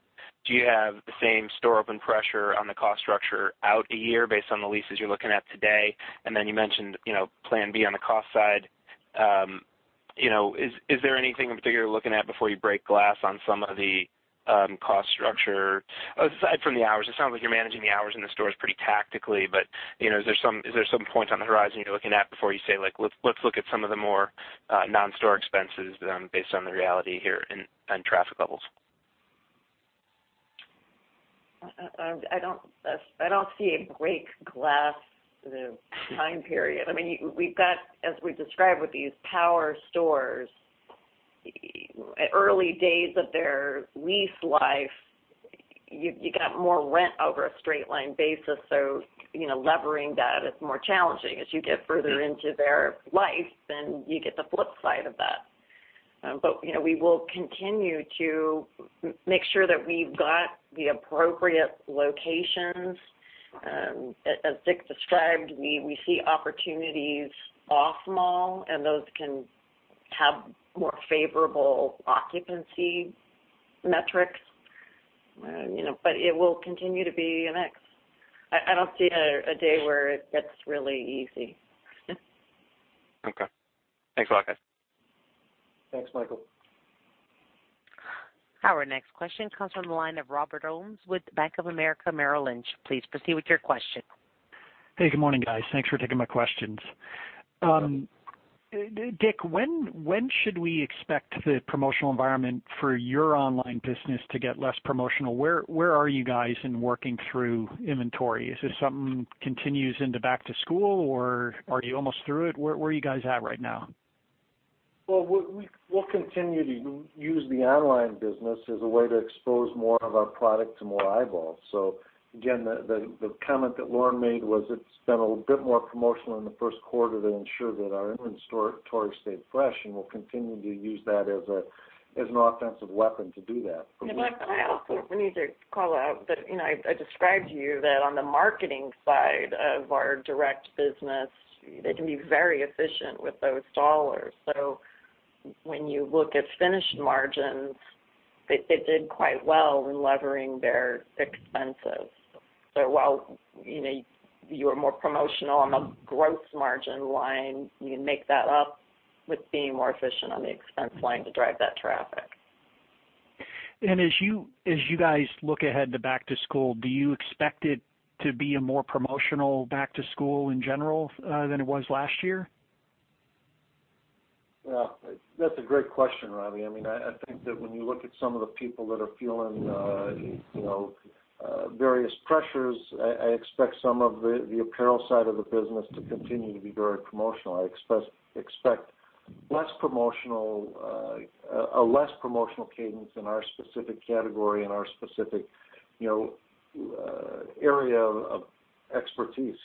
do you have the same store open pressure on the cost structure out a year based on the leases you are looking at today? You mentioned, plan B on the cost side. Is there anything that you are looking at before you break glass on some of the cost structure, aside from the hours? It sounds like you are managing the hours in the stores pretty tactically, is there some point on the horizon you are looking at before you say, like, "Let's look at some of the more non-store expenses based on the reality here and traffic levels. I don't see a break glass time period. We've got, as we described with these power stores, early days of their lease life, you got more rent over a straight line basis. Levering that is more challenging. As you get further into their life, you get the flip side of that. We will continue to make sure that we've got the appropriate locations. As Dick described, we see opportunities off mall, and those can have more favorable occupancy metrics. It will continue to be a mix. I don't see a day where it gets really easy. Okay. Thanks a lot, guys. Thanks, Michael. Our next question comes from the line of Robert Ohmes with Bank of America Merrill Lynch. Please proceed with your question. Hey, good morning, guys. Thanks for taking my questions. You're welcome. Dick, when should we expect the promotional environment for your online business to get less promotional? Where are you guys in working through inventory? Is this something continues into back to school, or are you almost through it? Where are you guys at right now? Well, we'll continue to use the online business as a way to expose more of our product to more eyeballs. Again, the comment that Lauren made was it's been a bit more promotional in the first quarter to ensure that our inventory stayed fresh, and we'll continue to use that as an offensive weapon to do that. Mike, I also need to call out that I described to you that on the marketing side of our direct business, they can be very efficient with those $. When you look at finished margins, they did quite well in levering their expenses. While you are more promotional on the gross margin line, you can make that up with being more efficient on the expense line to drive that traffic. As you guys look ahead to back to school, do you expect it to be a more promotional back to school in general than it was last year? That's a great question, Robbie. I think that when you look at some of the people that are feeling various pressures, I expect some of the apparel side of the business to continue to be very promotional. I expect a less promotional cadence in our specific category and our specific area of expertise.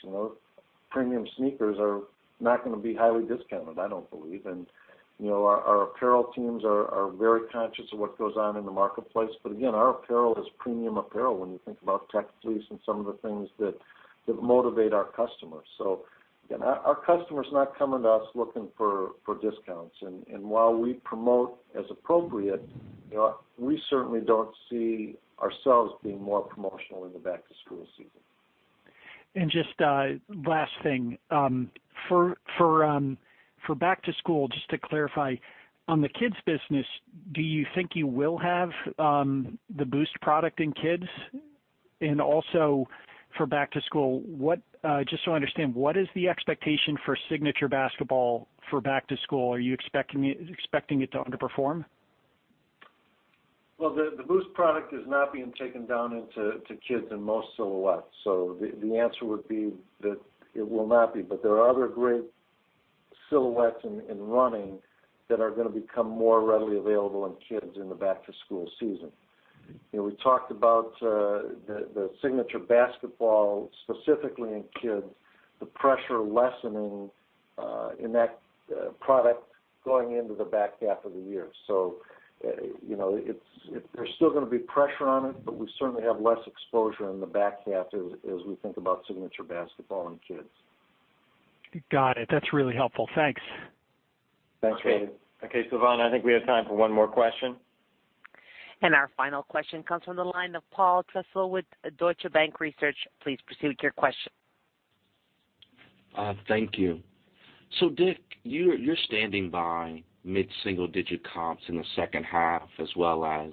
Premium sneakers are not going to be highly discounted, I don't believe. Our apparel teams are very conscious of what goes on in the marketplace. Again, our apparel is premium apparel when you think about Tech Fleece and some of the things that motivate our customers. Again, our customers are not coming to us looking for discounts. While we promote as appropriate, we certainly don't see ourselves being more promotional in the back to school season. Just a last thing. For back to school, just to clarify, on the kids business, do you think you will have the Boost product in kids? Also for back to school, just so I understand, what is the expectation for signature basketball for back to school? Are you expecting it to underperform? The Boost product is not being taken down into kids in most silhouettes. The answer would be that it will not be. There are other great silhouettes in running that are going to become more readily available in kids in the back to school season. We talked about the signature basketball, specifically in kids, the pressure lessening in that product going into the back half of the year. There's still going to be pressure on it, but we certainly have less exposure in the back half as we think about signature basketball and kids. Got it. That's really helpful. Thanks. Thanks, Randy. Silvana, I think we have time for one more question. Our final question comes from the line of Paul Trussell with Deutsche Bank Research. Please proceed with your question. Thank you. Dick, you're standing by mid-single-digit comps in the second half, as well as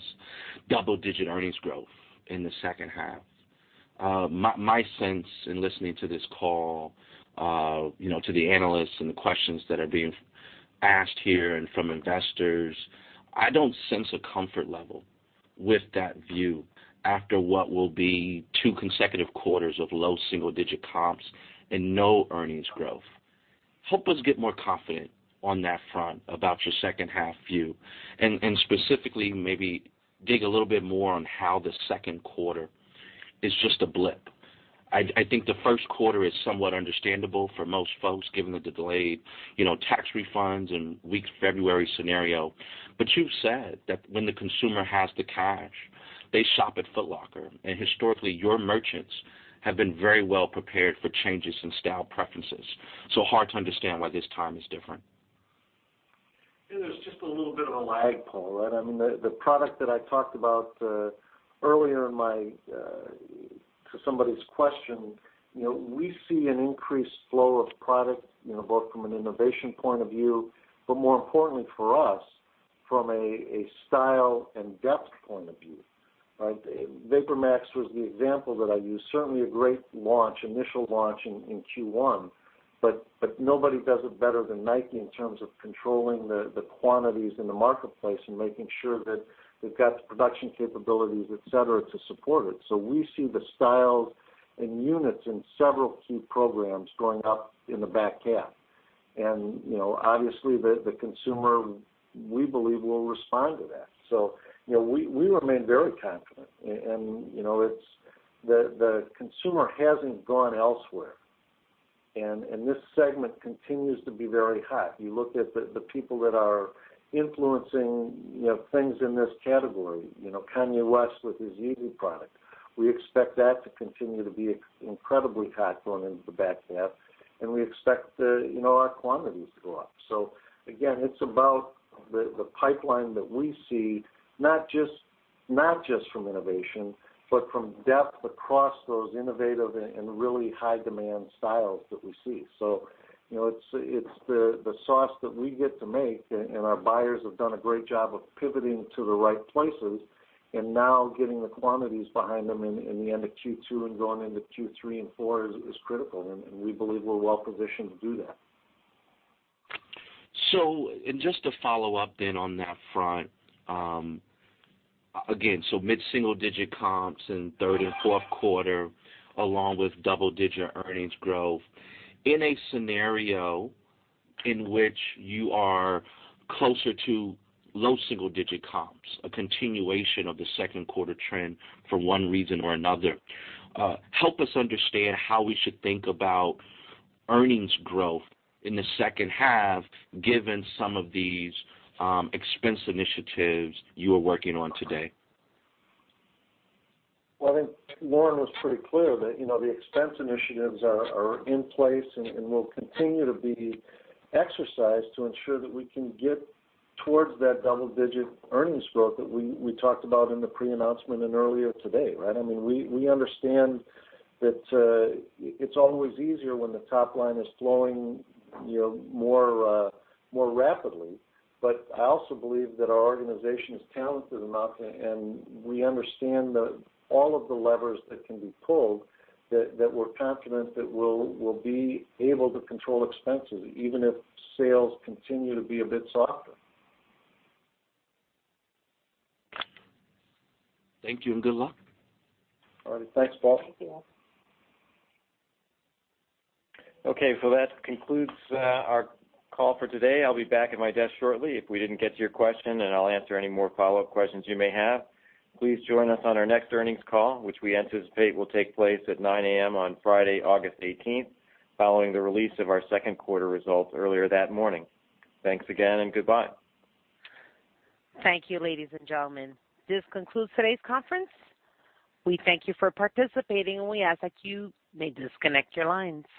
double-digit earnings growth in the second half. My sense in listening to this call, to the analysts and the questions that are being asked here and from investors, I don't sense a comfort level with that view after what will be two consecutive quarters of low single-digit comps and no earnings growth. Help us get more confident on that front about your second half view, and specifically, maybe dig a little bit more on how the second quarter is just a blip. I think the first quarter is somewhat understandable for most folks, given the delayed tax refunds and weak February scenario. You've said that when the consumer has the cash, they shop at Foot Locker, and historically your merchants have been very well prepared for changes in style preferences. Hard to understand why this time is different. There's just a little bit of a lag, Paul. The product that I talked about earlier in to somebody's question, we see an increased flow of product, both from an innovation point of view, but more importantly for us, from a style and depth point of view. VaporMax was the example that I used. Certainly, a great initial launch in Q1, but nobody does it better than Nike in terms of controlling the quantities in the marketplace and making sure that they've got the production capabilities, et cetera, to support it. We see the styles and units in several key programs going up in the back half. Obviously, the consumer, we believe, will respond to that. We remain very confident. The consumer hasn't gone elsewhere. This segment continues to be very hot. You look at the people that are influencing things in this category, Kanye West with his Yeezy product. We expect that to continue to be incredibly hot going into the back half, and we expect our quantities to go up. Again, it's about the pipeline that we see, not just from innovation, but from depth across those innovative and really high demand styles that we see. It's the sauce that we get to make, and our buyers have done a great job of pivoting to the right places. Now getting the quantities behind them in the end of Q2 and going into Q3 and 4 is critical, and we believe we're well positioned to do that. Just to follow up then on that front. Again, mid-single digit comps in third and fourth quarter, along with double-digit earnings growth. In a scenario in which you are closer to low single-digit comps, a continuation of the second quarter trend for one reason or another, help us understand how we should think about earnings growth in the second half, given some of these expense initiatives you are working on today. Well, I think Lauren was pretty clear that the expense initiatives are in place and will continue to be exercised to ensure that we can get towards that double-digit earnings growth that we talked about in the pre-announcement and earlier today, right? We understand that it's always easier when the top line is flowing more rapidly. I also believe that our organization is talented enough, and we understand that all of the levers that can be pulled, that we're confident that we'll be able to control expenses, even if sales continue to be a bit softer. Thank you and good luck. All right. Thanks, Paul. Okay, that concludes our call for today. I'll be back at my desk shortly if we didn't get to your question, and I'll answer any more follow-up questions you may have. Please join us on our next earnings call, which we anticipate will take place at 9:00 A.M. on Friday, August 18th, following the release of our second quarter results earlier that morning. Thanks again and goodbye. Thank you, ladies and gentlemen. This concludes today's conference. We thank you for participating, and we ask that you may disconnect your lines.